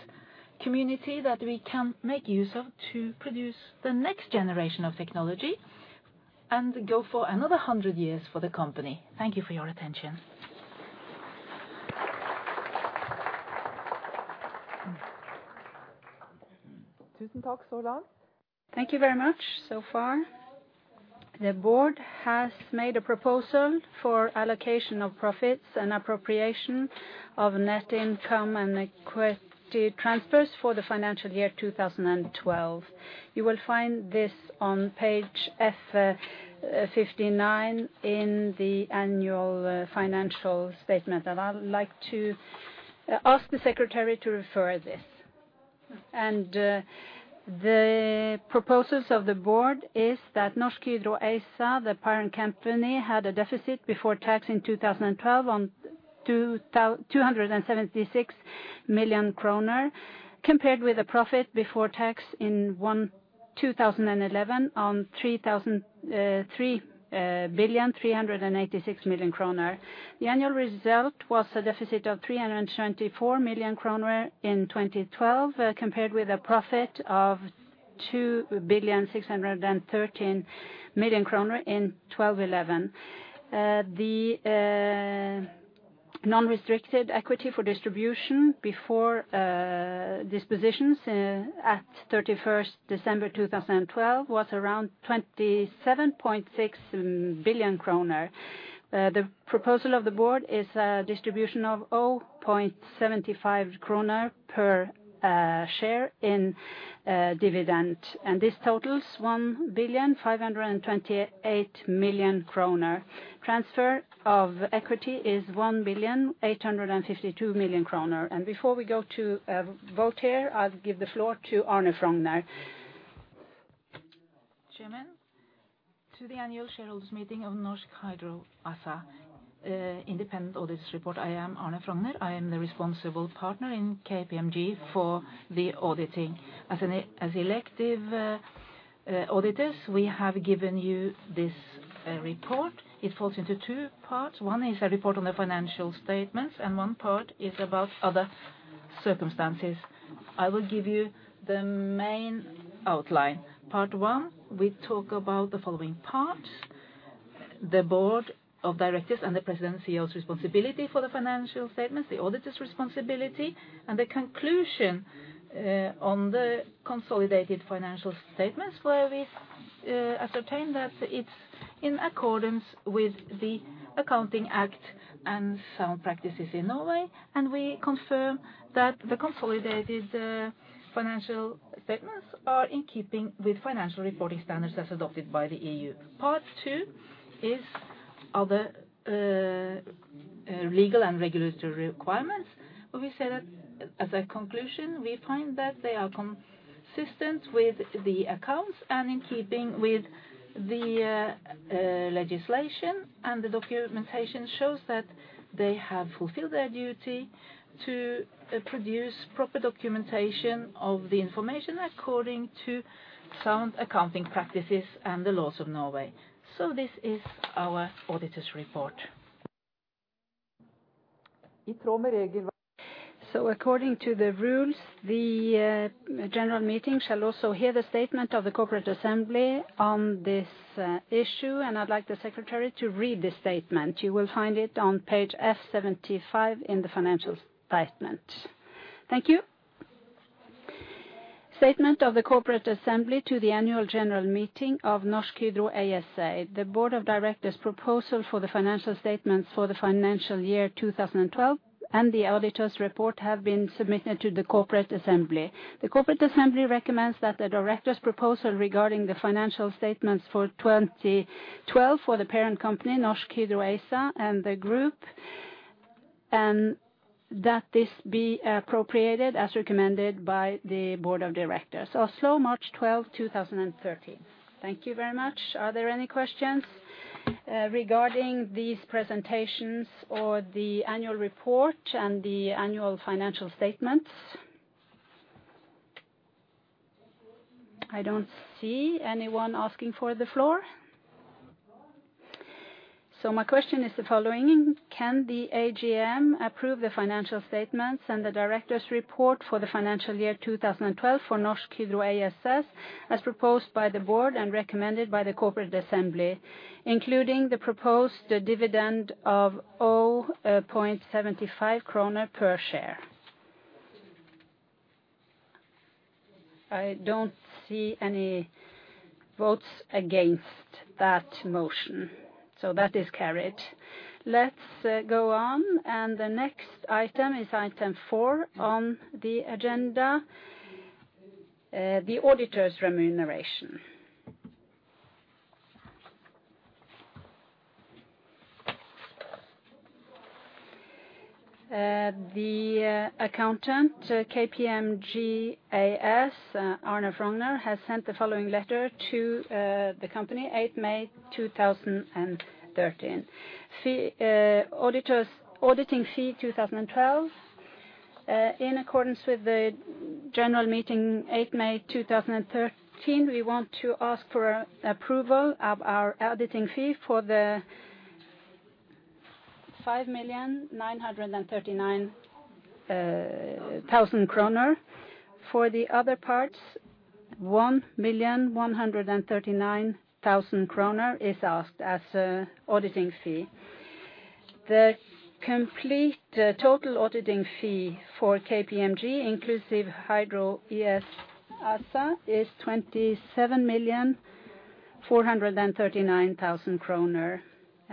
community that we can make use of to produce the next generation of technology and go for another hundred years for the company. Thank you for your attention. Thank you very much so far. The board has made a proposal for allocation of profits and appropriation of net income and equity transfers for the financial year 2012. You will find this on page F 59 in the annual financial statement. I would like to ask the secretary to refer this. The proposals of the board is that Norsk Hydro ASA, the parent company, had a deficit before tax in 2012 on 276 million kroner compared with a profit before tax in 2011 on 3.386 billion. The annual result was a deficit of 324 million kroner in 2012 compared with a profit of 2.613 billion in 2011. The non-restricted equity for distribution before dispositions at 31 December 2012 was around 27.6 billion kroner. The proposal of the board is a distribution of 0.75 kroner per share in dividend, and this totals 1.528 billion. Transfer of equity is 1.852 billion. Before we go to vote here, I'll give the floor to Arne Frogner. Chairman, to the annual shareholders' meeting of Norsk Hydro ASA, independent auditor's report. I am Arne Frogner. I am the responsible partner in KPMG for the audit. As elected auditors, we have given you this report. It falls into two parts. One is a report on the financial statements, and one part is about other circumstances. I will give you the main outline. Part one, we talk about the following parts, the board of directors and the President and CEO's responsibility for the financial statements, the auditor's responsibility, and the conclusion on the consolidated financial statements where we ascertain that it's in accordance with the Accounting Act and sound practices in Norway. We confirm that the consolidated financial statements are in keeping with financial reporting standards as adopted by the EU. Part two is other legal and regulatory requirements, where we say that as a conclusion, we find that they are consistent with the accounts and in keeping with the legislation. The documentation shows that they have fulfilled their duty to produce proper documentation of the information according to sound accounting practices and the laws of Norway. This is our auditor's report. According to the rules, the general meeting shall also hear the statement of the corporate assembly on this issue. I'd like the secretary to read this statement. You will find it on page S 75 in the financial statement. Thank you. Statement of the corporate assembly to the annual general meeting of Norsk Hydro ASA. The board of directors' proposal for the financial statements for the financial year 2012 and the auditor's report have been submitted to the corporate assembly. The corporate assembly recommends that the directors' proposal regarding the financial statements for 2012 for the parent company, Norsk Hydro ASA, and the Group, and that this be appropriated as recommended by the board of directors. Oslo, March 12, 2013. Thank you very much. Are there any questions regarding these presentations or the annual report and the annual financial statements? I don't see anyone asking for the floor. My question is the following: Can the AGM approve the financial statements and the directors' report for the financial year 2012 for Norsk Hydro ASA, as proposed by the board and recommended by the corporate assembly, including the proposed dividend of 0.75 kroner per share? I don't see any votes against that motion, so that is carried. Let's go on. The next item is item four on the agenda, the auditor's remuneration. The accountant, KPMG AS, Arne Frogner, has sent the following letter to the company 8 May 2013. Fee, auditors. Auditing fee 2012. In accordance with the general meeting May 8, 2013, we want to ask for approval of our auditing fee for the 5.939 million. For the other parts, 1.139 million kroner is asked as a auditing fee. The complete total auditing fee for KPMG, inclusive Norsk Hydro ASA, is 27.439 million.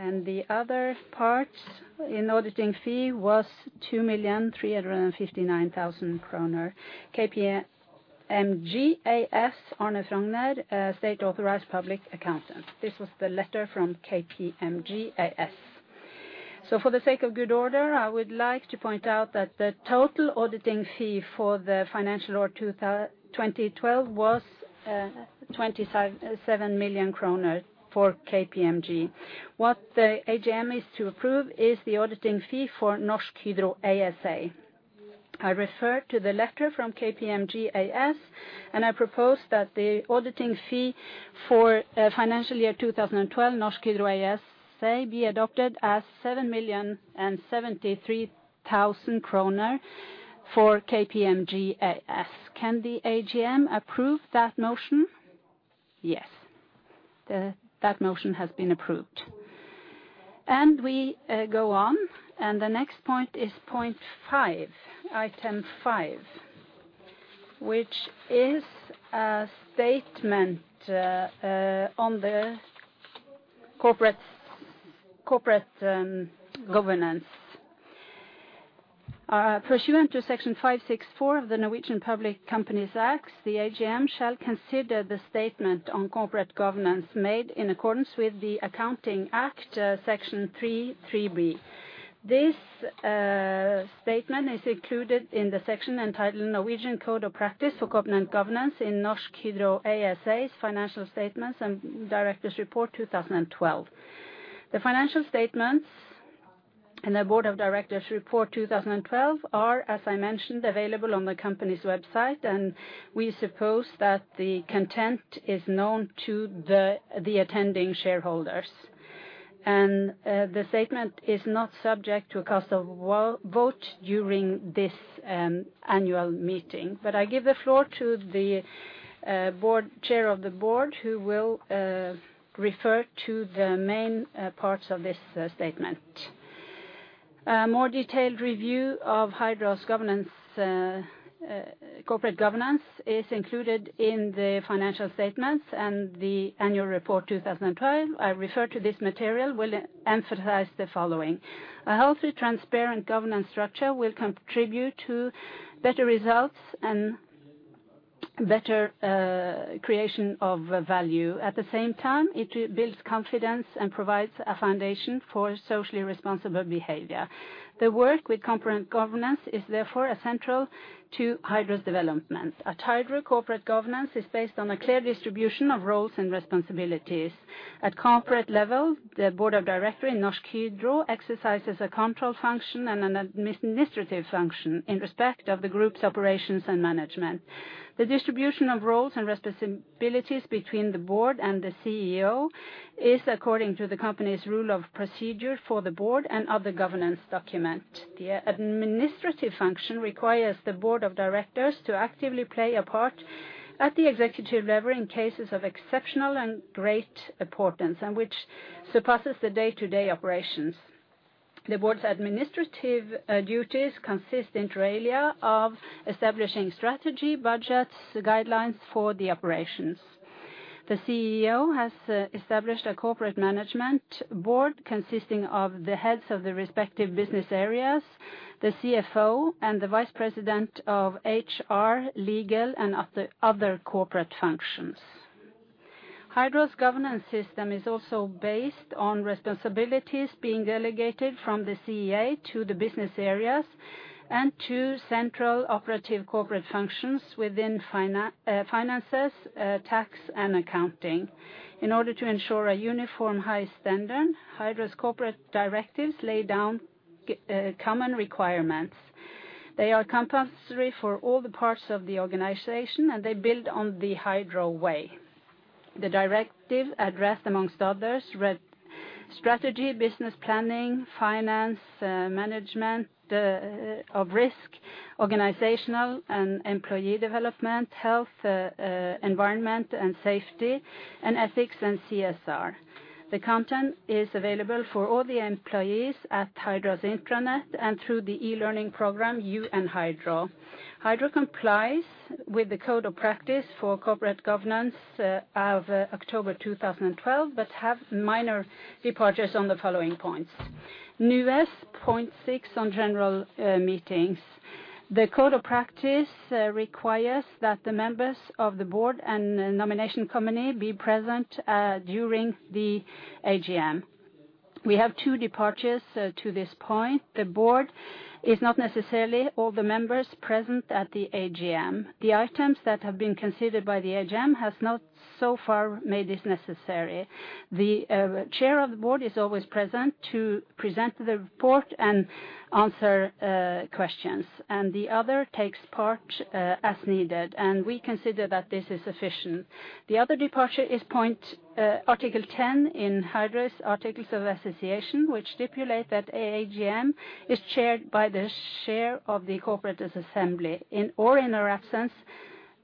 The other parts in auditing fee was 2.359 million kroner. KPMG AS, Arne Frogner, state authorized public accountant. This was the letter from KPMG AS. For the sake of good order, I would like to point out that the total auditing fee for the financial year 2012 was 27 million kroner for KPMG. What the AGM is to approve is the auditing fee for Norsk Hydro ASA. I refer to the letter from KPMG AS, and I propose that the auditing fee for financial year 2012, Norsk Hydro ASA, be adopted as 7,073,000 kroner for KPMG AS. Can the AGM approve that motion? Yes. That motion has been approved. We go on, and the next point is point 5, item 5, which is a statement on the corporate governance. Pursuant toSection 5-6 of the Norwegian Public Limited Liability Companies Act, the AGM shall consider the statement on corporate governance made in accordance with the Accounting Act, Section 3-3 B. This statement is included in the section entitled Norwegian Code of Practice for Corporate Governance in Norsk Hydro ASA's financial statements and directors' report 2012. The financial statements and the board of directors' report 2012 are, as I mentioned, available on the company's website, and we suppose that the content is known to the attending shareholders. The statement is not subject to a vote during this annual meeting. I give the floor to the chair of the board, who will refer to the main parts of this statement. A more detailed review of Hydro's governance, corporate governance is included in the financial statements and the annual report 2012. I refer to this material, will emphasize the following. A healthy, transparent governance structure will contribute to better results and better creation of value. At the same time, it builds confidence and provides a foundation for socially responsible behavior. The work with corporate governance is therefore essential to Hydro's development. At Hydro, corporate governance is based on a clear distribution of roles and responsibilities. At corporate level, the board of directors in Norsk Hydro exercises a control function and an administrative function in respect of the group's operations and management. The distribution of roles and responsibilities between the board and the CEO is according to the company's rule of procedure for the board and other governance document. The administrative function requires the board of directors to actively play a part at the executive level in cases of exceptional and great importance, and which surpasses the day-to-day operations. The board's administrative duties consist inter alia of establishing strategy, budgets, guidelines for the operations. The CEO has established a corporate management board consisting of the heads of the respective business areas, the CFO, and the vice president of HR, legal, and other corporate functions. Hydro's governance system is also based on responsibilities being delegated from the CEO to the business areas and to central operative corporate functions within finances, tax and accounting. In order to ensure a uniform high standard, Hydro's corporate directives lay down common requirements. They are compulsory for all the parts of the organization, and they build on the Hydro Way. The directive addresses amongst others strategy, business planning, finance, management of risk, organizational and employee development, health, environment and safety, and ethics and CSR. The content is available for all the employees at Hydro's intranet and through the e-learning program, You and Hydro. Hydro complies with the code of practice for corporate governance of October 2012, but has minor departures on the following points. NUES point 6 on general meetings. The code of practice requires that the members of the board and nomination committee be present during the AGM. We have 2 departures to this point. The board is not necessarily all the members present at the AGM. The items that have been considered by the AGM has not so far made this necessary. The chair of the board is always present to present the report and answer questions, and the other takes part as needed, and we consider that this is sufficient. The other departure is point article ten in Hydro's articles of association, which stipulate that AGM is chaired by the chair of the corporate assembly, in or her absence,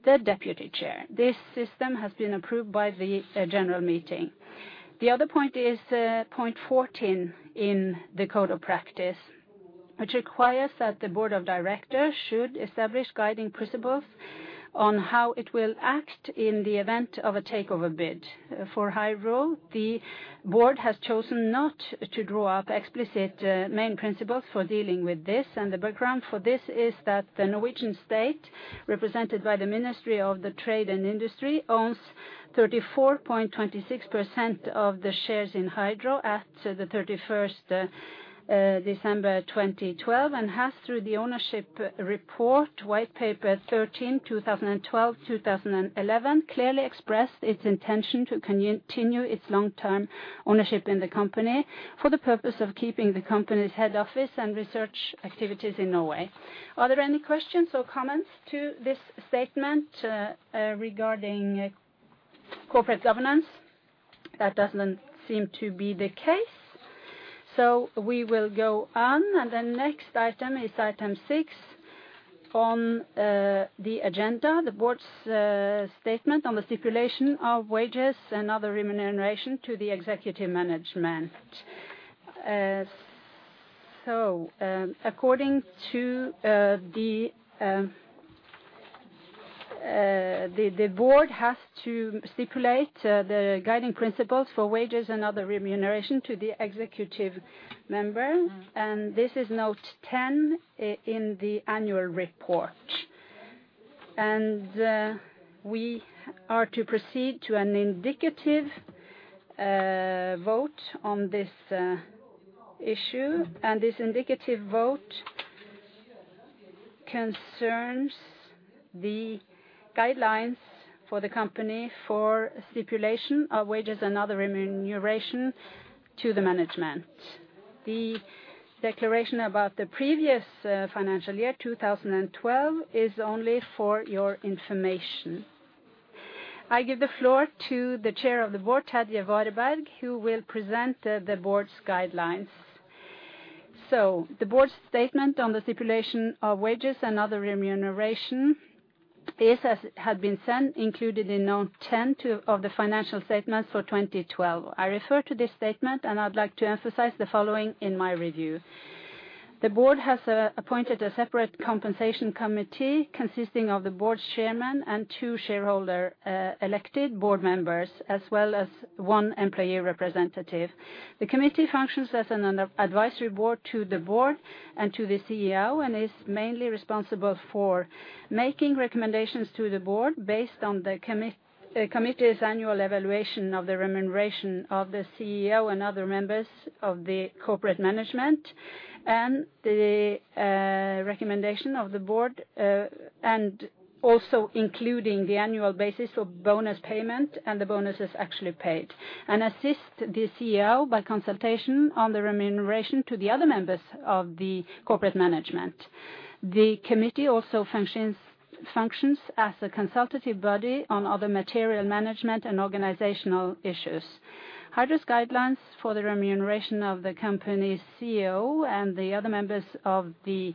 the deputy chair. This system has been approved by the general meeting. The other point is point fourteen in the code of practice, which requires that the board of directors should establish guiding principles on how it will act in the event of a takeover bid. For Hydro, the board has chosen not to draw up explicit main principles for dealing with this. The background for this is that the Norwegian state, represented by the Ministry of Trade and Industry, owns 34.26% of the shares in Hydro at the 31st, December 2012, and has through the Report no. 13 to the Storting, clearly expressed its intention to continue its long-term ownership in the company for the purpose of keeping the company's head office and research activities in Norway. Are there any questions or comments to this statement regarding corporate governance? That doesn't seem to be the case. We will go on. The next item is item six on the agenda, the board's statement on the stipulation of wages and other remuneration to the executive management. According to the board has to stipulate the guiding principles for wages and other remuneration to the executive members, and this is note ten in the annual report. We are to proceed to an indicative vote on this issue, and this indicative vote concerns the guidelines for the company for stipulation of wages and other remuneration to the management. The declaration about the previous financial year, 2012, is only for your information. I give the floor to the Chair of the Board, Terje Vareberg, who will present the board's guidelines. The board's statement on the stipulation of wages and other remuneration is as had been sent, included in note ten of the financial statements for 2012. I refer to this statement, and I'd like to emphasize the following in my review. The board has appointed a separate compensation committee consisting of the board's chairman and two shareholder elected board members, as well as one employee representative. The committee functions as an advisory board to the board and to the CEO and is mainly responsible for making recommendations to the board based on the committee's annual evaluation of the remuneration of the CEO and other members of the corporate management, and the recommendation of the board, and also including the annual basis of bonus payment and the bonuses actually paid, and assist the CEO by consultation on the remuneration to the other members of the corporate management. The committee also functions as a consultative body on other material management and organizational issues. Hydro's guidelines for the remuneration of the company's CEO and the other members of the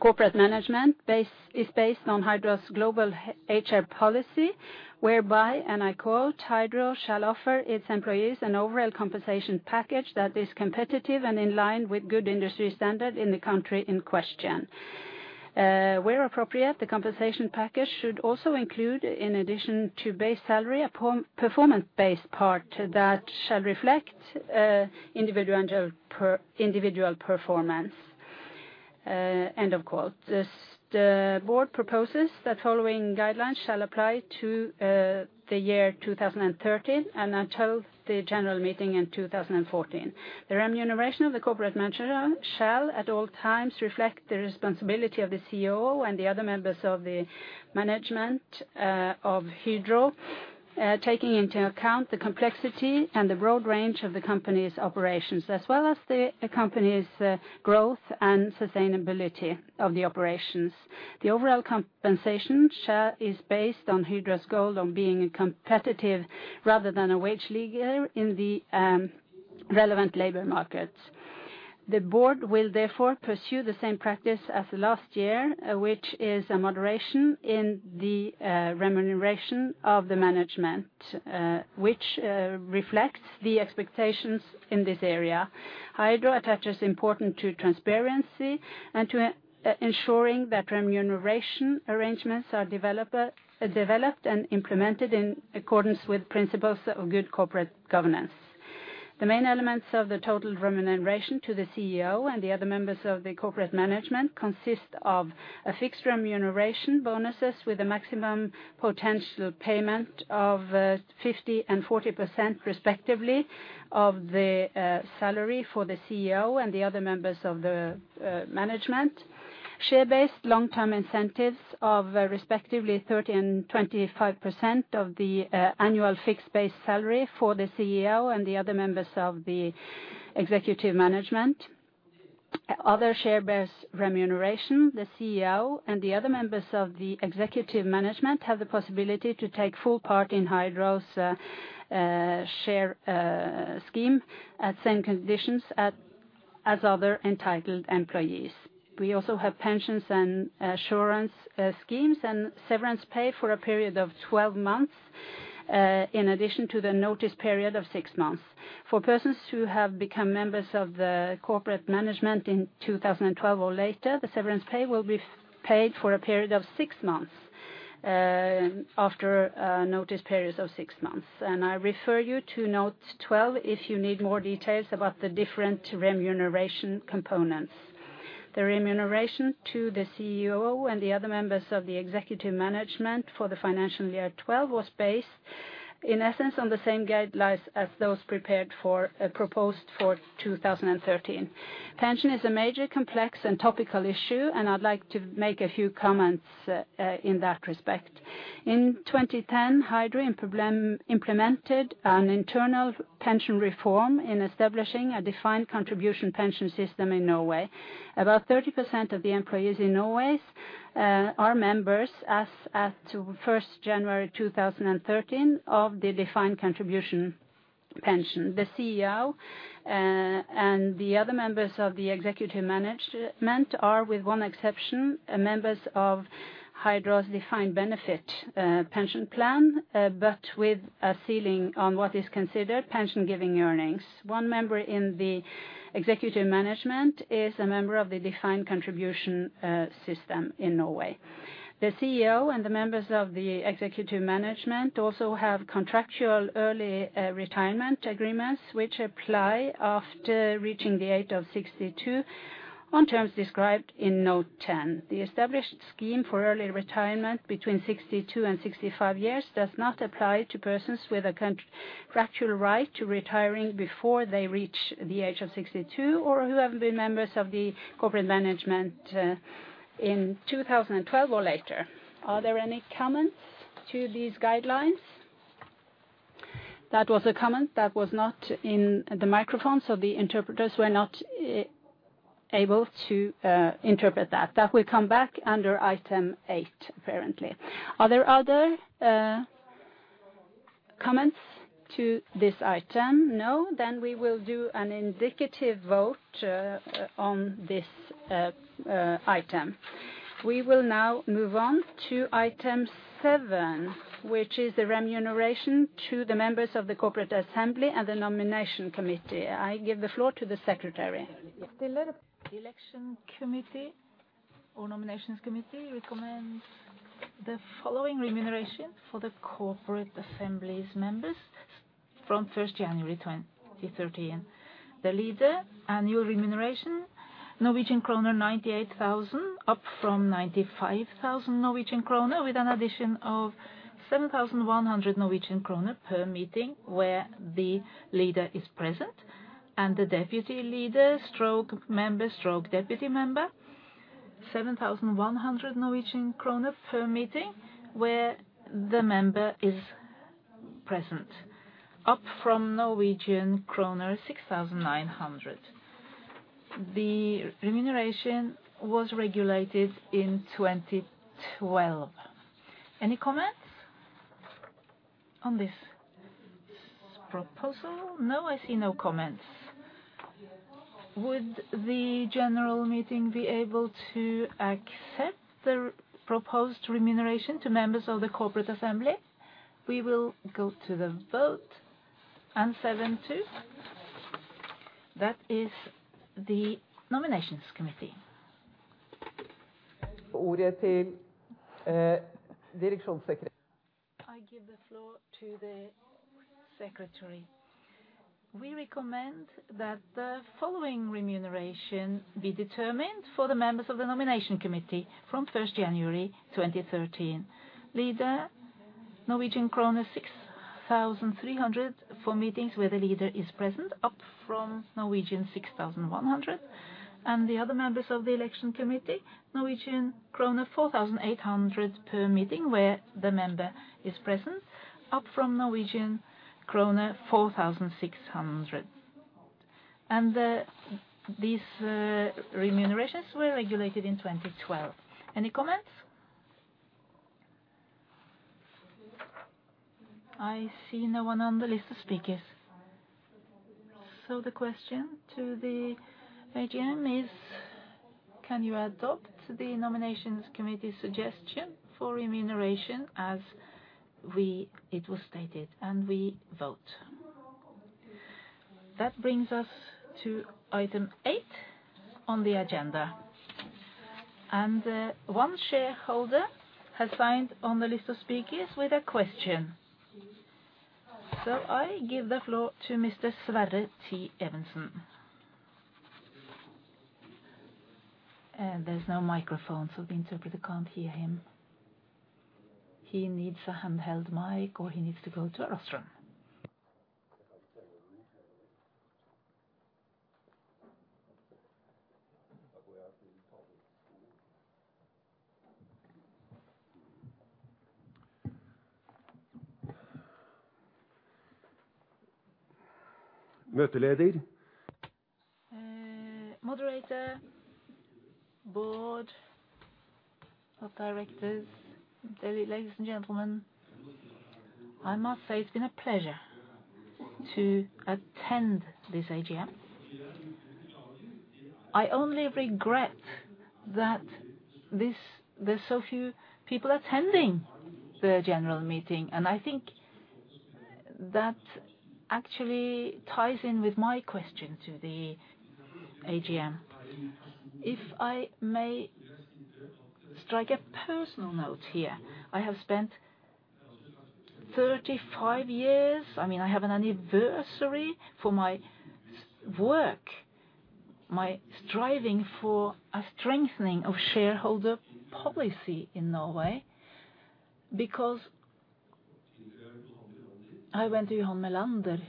corporate management board is based on Hydro's global HR policy, whereby, and I quote, "Hydro shall offer its employees an overall compensation package that is competitive and in line with good industry standard in the country in question. Where appropriate, the compensation package should also include, in addition to base salary, a performance-based part that shall reflect individual and individual performance." End of quote. The board proposes that the following guidelines shall apply to the year 2013 and until the general meeting in 2014. The remuneration of the corporate management shall at all times reflect the responsibility of the CEO and the other members of the management of Hydro, taking into account the complexity and the broad range of the company's operations, as well as the company's growth and sustainability of the operations. The overall compensation share is based on Hydro's goal of being a competitive rather than a wage leader in the relevant labor markets. The board will therefore pursue the same practice as last year, which is a moderation in the remuneration of the management, which reflects the expectations in this area. Hydro attaches importance to transparency and to ensuring that remuneration arrangements are developed and implemented in accordance with principles of good corporate governance. The main elements of the total remuneration to the CEO and the other members of the corporate management consist of a fixed remuneration, bonuses with a maximum potential payment of 50% and 40% respectively of the salary for the CEO and the other members of the management. Share-based long-term incentives of respectively 30% and 25% of the annual fixed base salary for the CEO and the other members of the executive management. Other share-based remuneration, the CEO and the other members of the executive management have the possibility to take full part in Hydro's share scheme at same conditions as other entitled employees. We also have pensions and assurance schemes and severance pay for a period of 12 months in addition to the notice period of 6 months. For persons who have become members of the corporate management in 2012 or later, the severance pay will be paid for a period of six months after a notice period of six months. I refer you to note 12 if you need more details about the different remuneration components. The remuneration to the CEO and the other members of the executive management for the financial year 2012 was based in essence on the same guidelines as those proposed for 2013. Pension is a major complex and topical issue, and I'd like to make a few comments in that respect. In 2010, Hydro implemented an internal pension reform in establishing a defined contribution pension system in Norway. About 30% of the employees in Norway are members as of first January 2013 of the defined contribution pension. The CEO and the other members of the executive management are, with one exception, members of Hydro's defined benefit pension plan, but with a ceiling on what is considered pensionable earnings. One member in the executive management is a member of the defined contribution system in Norway. The CEO and the members of the executive management also have contractual early retirement agreements which apply after reaching the age of 62 on terms described in note 10. The established scheme for early retirement between 62 and 65 years does not apply to persons with a contractual right to retiring before they reach the age of 62 or who haven't been members of the corporate management in 2012 or later. Are there any comments to these guidelines? That was a comment that was not in the microphone, so the interpreters were not able to interpret that. That will come back under item eight, apparently. Are there other comments to this item? No. Then we will do an indicative vote on this item. We will now move on to item seven, which is the remuneration to the members of the corporate assembly and the nomination committee. I give the floor to the secretary. Election committee or nominations committee recommend the following remuneration for the corporate assembly's members from January 1, 2013. The leader, annual remuneration Norwegian kroner 98,000, up from 95,000 Norwegian kroner, with an addition of 7,100 Norwegian kroner per meeting where the leader is present. The deputy leader/member/deputy member, 7,100 Norwegian kroner per meeting where the member is present, up from Norwegian kroner 6,900. The remuneration was regulated in 2012. Any comments on this proposal? No, I see no comments. Would the general meeting be able to accept the proposed remuneration to members of the corporate assembly? We will go to the vote. 7-2. That is the nominations committee. I give the floor to the secretary. We recommend that the following remuneration be determined for the members of the nomination committee from January 1, 2013. Leader Norwegian kroner 6,300 for meetings where the leader is present, up from 6,100. The other members of the nomination committee, Norwegian krone 4,800 per meeting where the member is present, up from Norwegian krone 4,600. These remunerations were regulated in 2012. Any comments? I see no one on the list of speakers. The question to the AGM is, can you adopt the nominations committee suggestion for remuneration it was stated, and we vote? That brings us to item eight on the agenda. One shareholder has signed on the list of speakers with a question. I give the floor to Mr. Sverre T. Evensen. There's no microphone, so the interpreter can't hear him. He needs a handheld mic or he needs to go to a restroom. Moderator, board of directors, dear ladies and gentlemen, I must say it's been a pleasure to attend this AGM. I only regret there's so few people attending the general meeting. I think that actually ties in with my question to the AGM. If I may strike a personal note here, I have spent 35 years. I mean, I have an anniversary for my life's work, my striving for a strengthening of shareholder policy in Norway, because I went to Johan Melander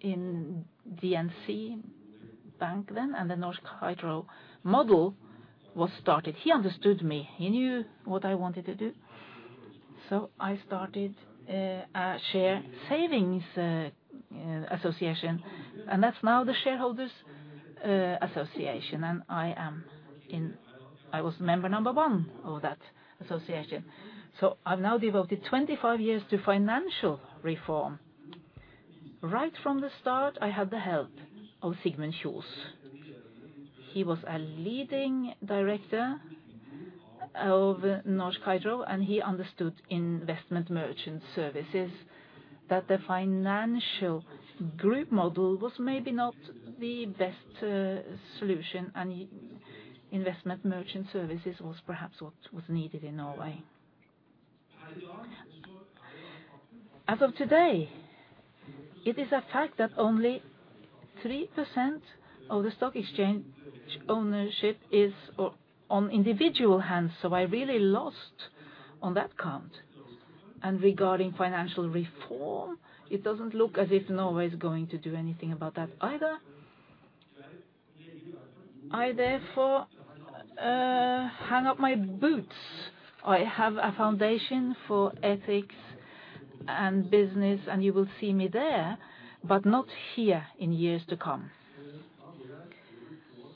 in Den norske Creditbank then, and the Norsk Hydro model was started. He understood me. He knew what I wanted to do. I started a shareholders' association, and that's now the Shareholders' Association. I was member number one of that association. I've now devoted 25 years to financial reform. Right from the start, I had the help of Sigmund Kjos. He was a leading director of Norsk Hydro, and he understood investment merchant services, that the financial group model was maybe not the best solution, and investment merchant services was perhaps what was needed in Norway. As of today, it is a fact that only 3% of the stock exchange ownership is in individual hands, so I really lost on that count. Regarding financial reform, it doesn't look as if Norway is going to do anything about that either. I therefore hang up my boots. I have a foundation for ethics and business, and you will see me there, but not here in years to come.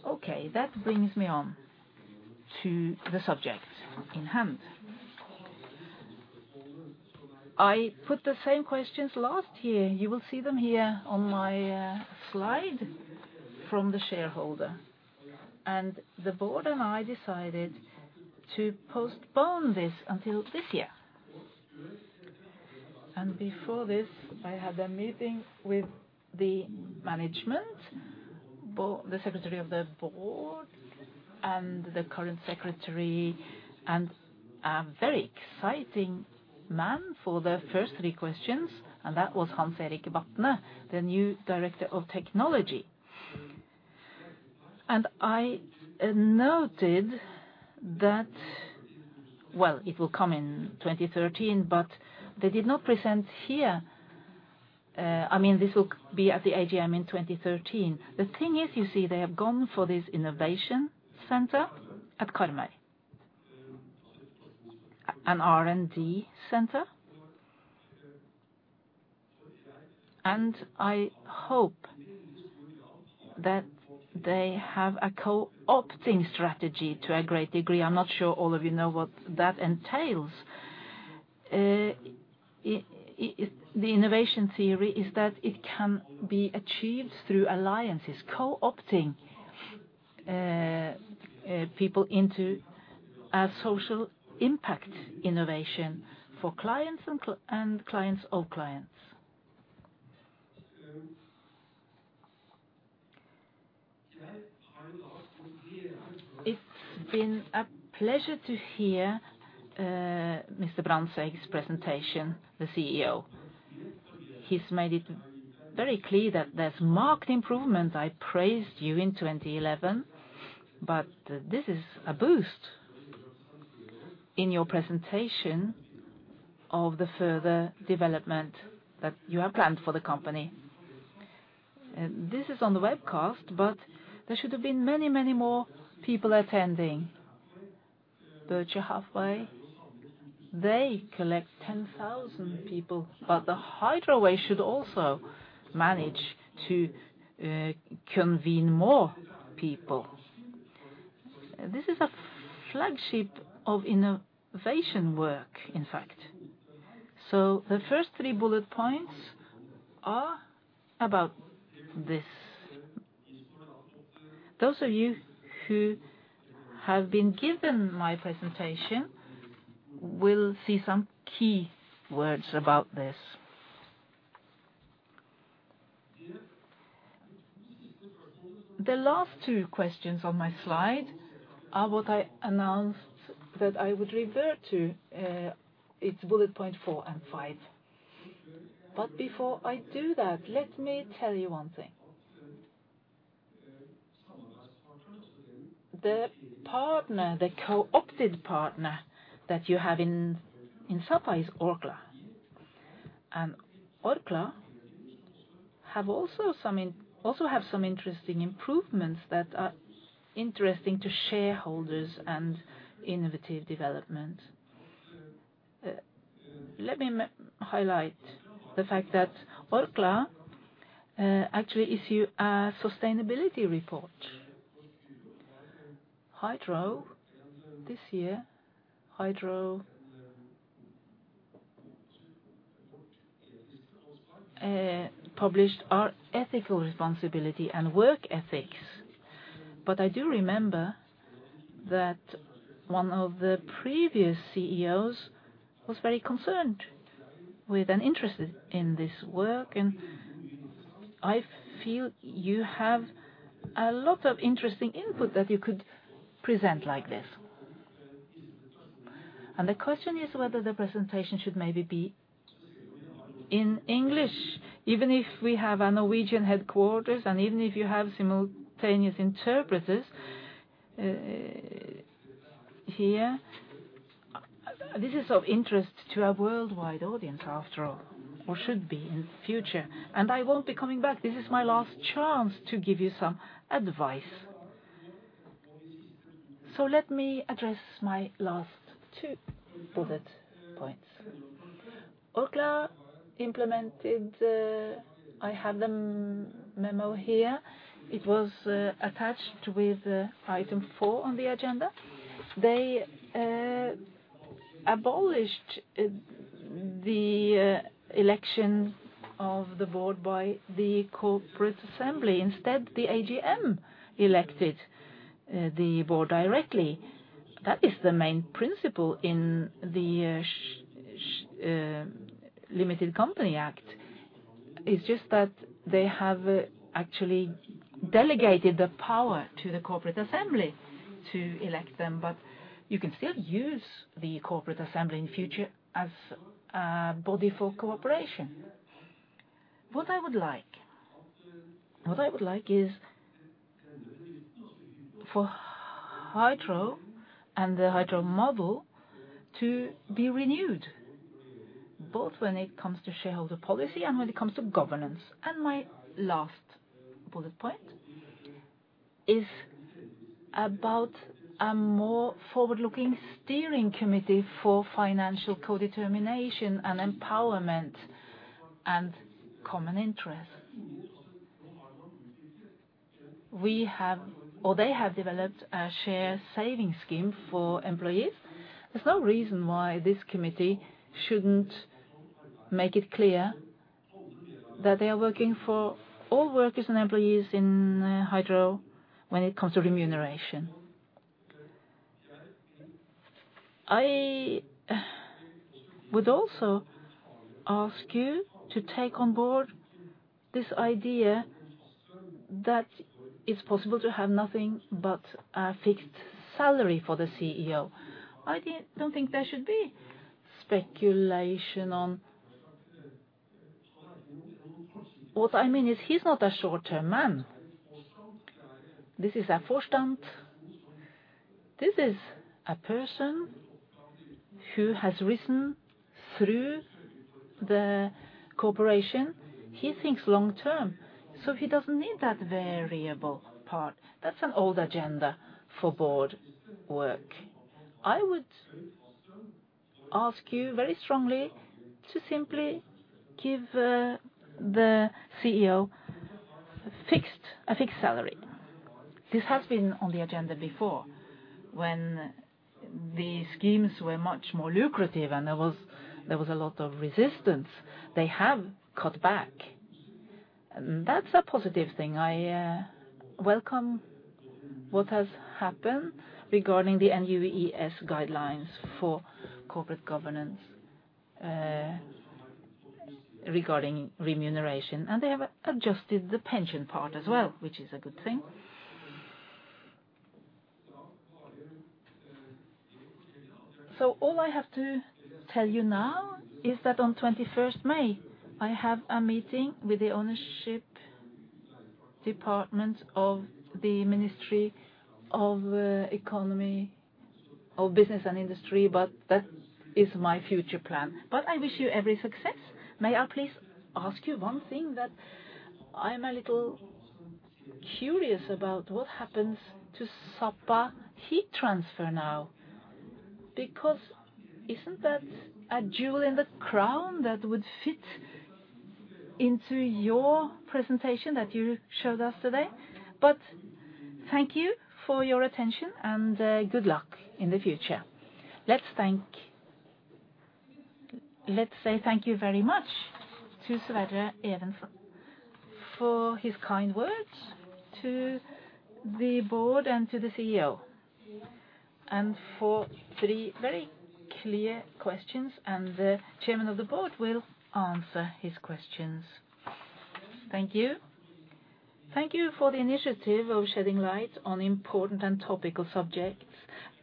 Okay, that brings me on to the subject in hand. I put the same questions last year. You will see them here on my slide from the shareholder. The board and I decided to postpone this until this year. Before this, I had a meeting with the management, both the secretary of the board and the current secretary, and a very exciting man for the first three questions, and that was Hans-Erik Benthien, the new Director of Technology. I noted that. Well, it will come in 2013, but they did not present here. I mean, this will be at the AGM in 2013. The thing is, you see, they have gone for this innovation center at Karmøy. An R&D center. I hope that they have a co-opting strategy to a great degree. I'm not sure all of you know what that entails. The innovation theory is that it can be achieved through alliances, co-opting, people into a social impact innovation for clients and clients of clients. It's been a pleasure to hear, Mr. Brandtzæg's presentation, the CEO. He's made it very clear that there's marked improvement. I praised you in 2011, but this is a boost in your presentation of the further development that you have planned for the company. This is on the webcast, but there should have been many, many more people attending. Dürer halfway, they collect 10,000 people, but the Hydro Way should also manage to convene more people. This is a flagship of innovation work, in fact. The first three bullet points are about this. Those of you who have been given my presentation will see some key words about this. The last two questions on my slide are what I announced that I would revert to, it's bullet point four and five. Before I do that, let me tell you one thing. The partner, the co-opted partner that you have in Sapa is Orkla. Orkla have also some interesting improvements that are interesting to shareholders and innovative development. Let me highlight the fact that Orkla actually issue a sustainability report. Hydro this year, Hydro, published our ethical responsibility and work ethics. I do remember that one of the previous CEOs was very concerned with an interest in this work, and I feel you have a lot of interesting input that you could present like this. The question is whether the presentation should maybe be in English, even if we have a Norwegian headquarters, and even if you have simultaneous interpreters here. This is of interest to a worldwide audience after all, or should be in future. I won't be coming back. This is my last chance to give you some advice. Let me address my last two bullet points. Orkla implemented. I have the memo here. It was attached with item four on the agenda. They abolished the election of the board by the corporate assembly. Instead, the AGM elected the board directly. That is the main principle in the Public Limited Liability Companies Act. It is just that they have actually delegated the power to the corporate assembly to elect them. You can still use the corporate assembly in future as a body for cooperation. What I would like is for Hydro and the Hydro model to be renewed, both when it comes to shareholder policy and when it comes to governance. My last bullet point is about a more forward-looking steering committee for financial codetermination and empowerment and common interest. We have or they have developed a share saving scheme for employees. There's no reason why this committee shouldn't make it clear that they are working for all workers and employees in Hydro when it comes to remuneration. I would also ask you to take on board this idea that it's possible to have nothing but a fixed salary for the CEO. I don't think there should be speculation on. What I mean is he's not a short-term man. This is a Vorstand. This is a person who has risen through the corporation. He thinks long-term, so he doesn't need that variable part. That's an old agenda for board work. I would ask you very strongly to simply give the CEO a fixed salary. This has been on the agenda before when the schemes were much more lucrative and there was a lot of resistance. They have cut back. That's a positive thing. I welcome what has happened regarding the NUES guidelines for corporate governance, regarding remuneration. They have adjusted the pension part as well, which is a good thing. All I have to tell you now is that on 21st May, I have a meeting with the ownership department of the Ministry of Trade and Industry, but that is my future plan. I wish you every success. May I please ask you one thing that I'm a little curious about what happens to Sapa Heat Transfer now? Because isn't that a jewel in the crown that would fit into your presentation that you showed us today? Thank you for your attention and good luck in the future. Let's say thank you very much to Sverre Evensen for his kind words to the board and to the CEO, and for three very clear questions, and the chairman of the board will answer his questions. Thank you. Thank you for the initiative of shedding light on important and topical subjects.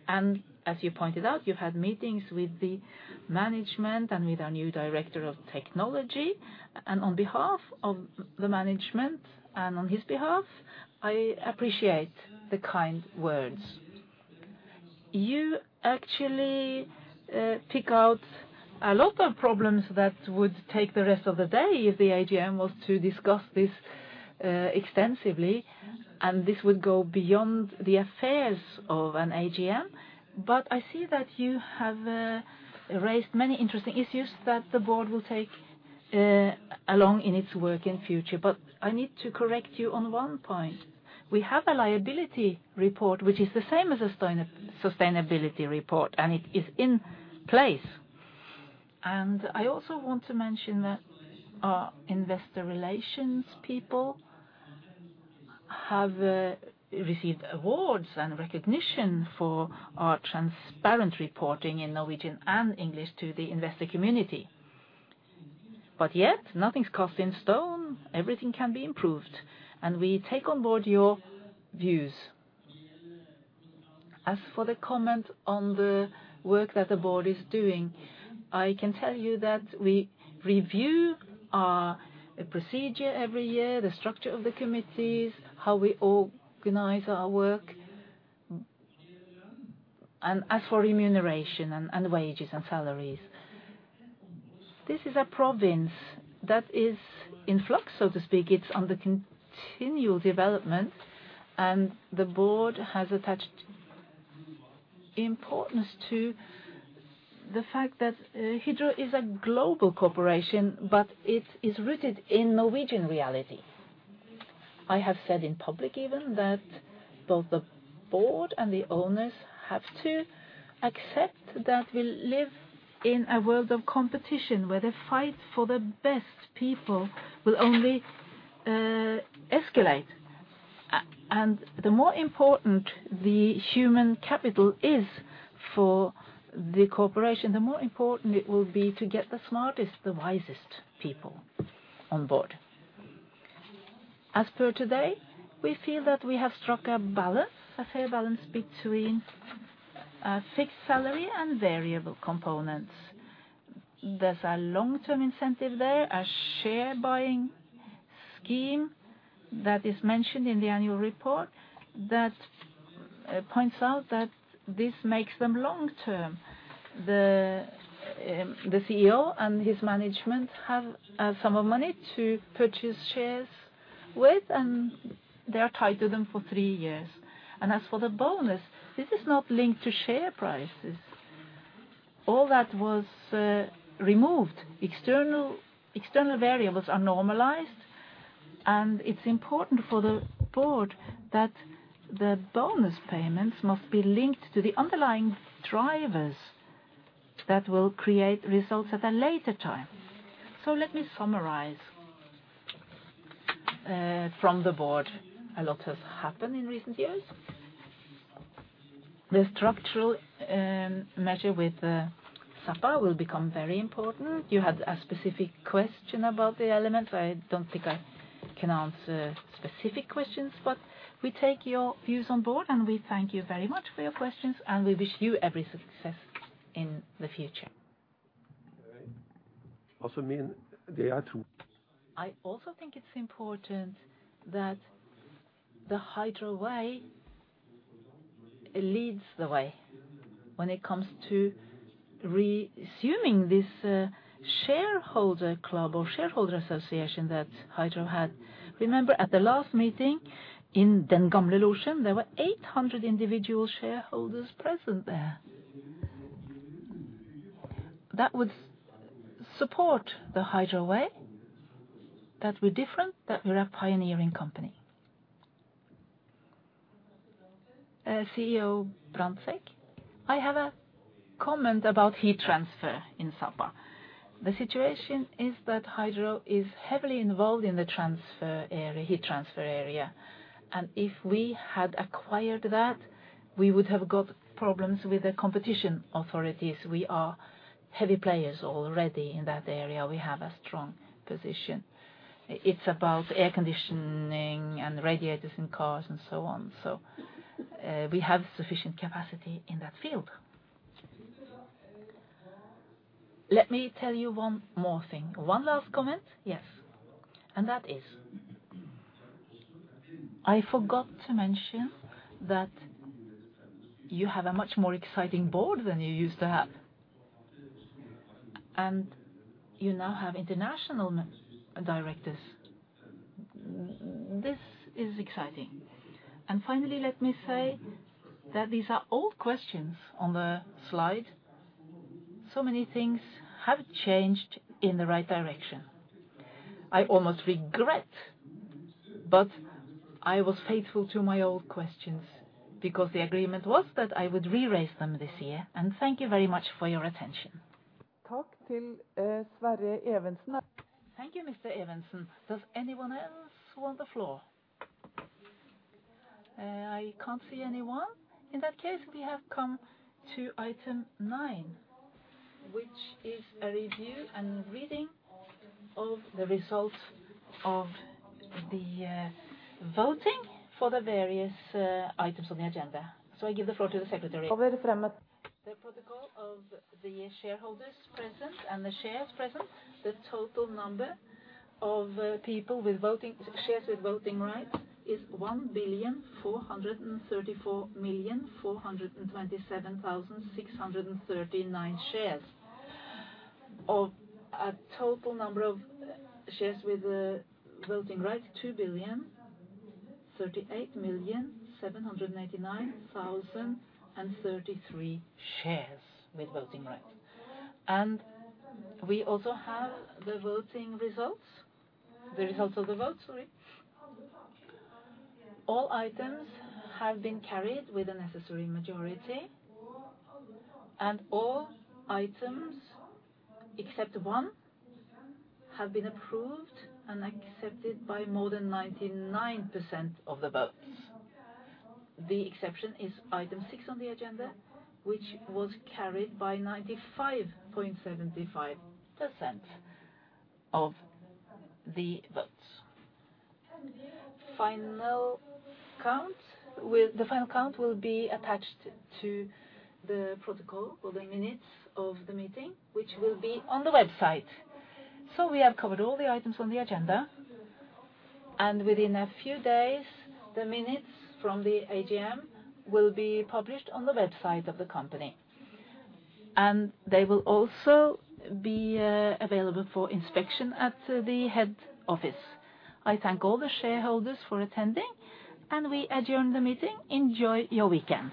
As you pointed out, you had meetings with the management and with our new director of technology. On behalf of the management and on his behalf, I appreciate the kind words. You actually pick out a lot of problems that would take the rest of the day if the AGM was to discuss this extensively, and this would go beyond the affairs of an AGM. I see that you have raised many interesting issues that the board will take along in its work in future. I need to correct you on one point. We have a sustainability report, which is the same as a sustainability report, and it is in place. I also want to mention that our investor relations people have received awards and recognition for our transparent reporting in Norwegian and English to the investor community. Yet, nothing's cast in stone, everything can be improved, and we take on board your views. As for the comment on the work that the board is doing, I can tell you that we review our procedure every year, the structure of the committees, how we organize our work. As for remuneration and wages and salaries, this is a province that is in flux, so to speak. It's under continual development, and the board has attached importance to the fact that Hydro is a global corporation, but it is rooted in Norwegian reality. I have said in public even that both the board and the owners have to accept that we live in a world of competition, where the fight for the best people will only escalate. And the more important the human capital is for the corporation, the more important it will be to get the smartest, the wisest people on board. As per today, we feel that we have struck a balance, a fair balance between fixed salary and variable components. There's a long-term incentive there, a share buying scheme that is mentioned in the annual report that points out that this makes them long-term. The CEO and his management have a sum of money to purchase shares with, and they are tied to them for three years. As for the bonus, this is not linked to share prices. All that was removed. External variables are normalized, and it's important for the board that the bonus payments must be linked to the underlying drivers that will create results at a later time. Let me summarize from the board. A lot has happened in recent years. The structural measure with Sapa will become very important. You had a specific question about the elements. I don't think I can answer specific questions. We take your views on board, and we thank you very much for your questions, and we wish you every success in the future. All right. Also mean they are true. I also think it's important that the Hydro Way leads the way when it comes to resuming this, shareholder club or shareholder association that Hydro had. Remember at the last meeting in Den Gamle Logen, there were 800 individual shareholders present there. That would support the Hydro Way, that we're different, that we're a pioneering company. CEO Brandtzæg, I have a comment about heat transfer in Sapa. The situation is that Hydro is heavily involved in the transfer area, heat transfer area, and if we had acquired that, we would have got problems with the competition authorities. We are heavy players already in that area. We have a strong position. It's about air conditioning and radiators in cars and so on. So, we have sufficient capacity in that field. Let me tell you one more thing. One last comment? Yes. That is, I forgot to mention that you have a much more exciting board than you used to have, and you now have international MDs. This is exciting. Finally, let me say that these are old questions on the slide. Many things have changed in the right direction. I almost regret, but I was faithful to my old questions because the agreement was that I would re-raise them this year, and thank you very much for your attention. Talk to Sverre Evensen. Thank you, Mr. Evensen. Does anyone else want the floor? I can't see anyone. In that case, we have come to item nine, which is a review and reading of the results of the voting for the various items on the agenda. I give the floor to the secretary. The protocol of the shareholders present and the shares present, the total number of shares with voting rights is 1,434,427,639 shares. Of a total number of shares with voting rights, 2,038,789,033 shares with voting rights. We also have the voting results. The results of the vote, sorry. All items have been carried with the necessary majority, and all items except one have been approved and accepted by more than 99% of the votes. The exception is item six on the agenda, which was carried by 95.75% of the votes. The final count will be attached to the protocol or the minutes of the meeting, which will be on the website. We have covered all the items on the agenda, and within a few days, the minutes from the AGM will be published on the website of the company. They will also be available for inspection at the head office. I thank all the shareholders for attending, and we adjourn the meeting. Enjoy your weekend.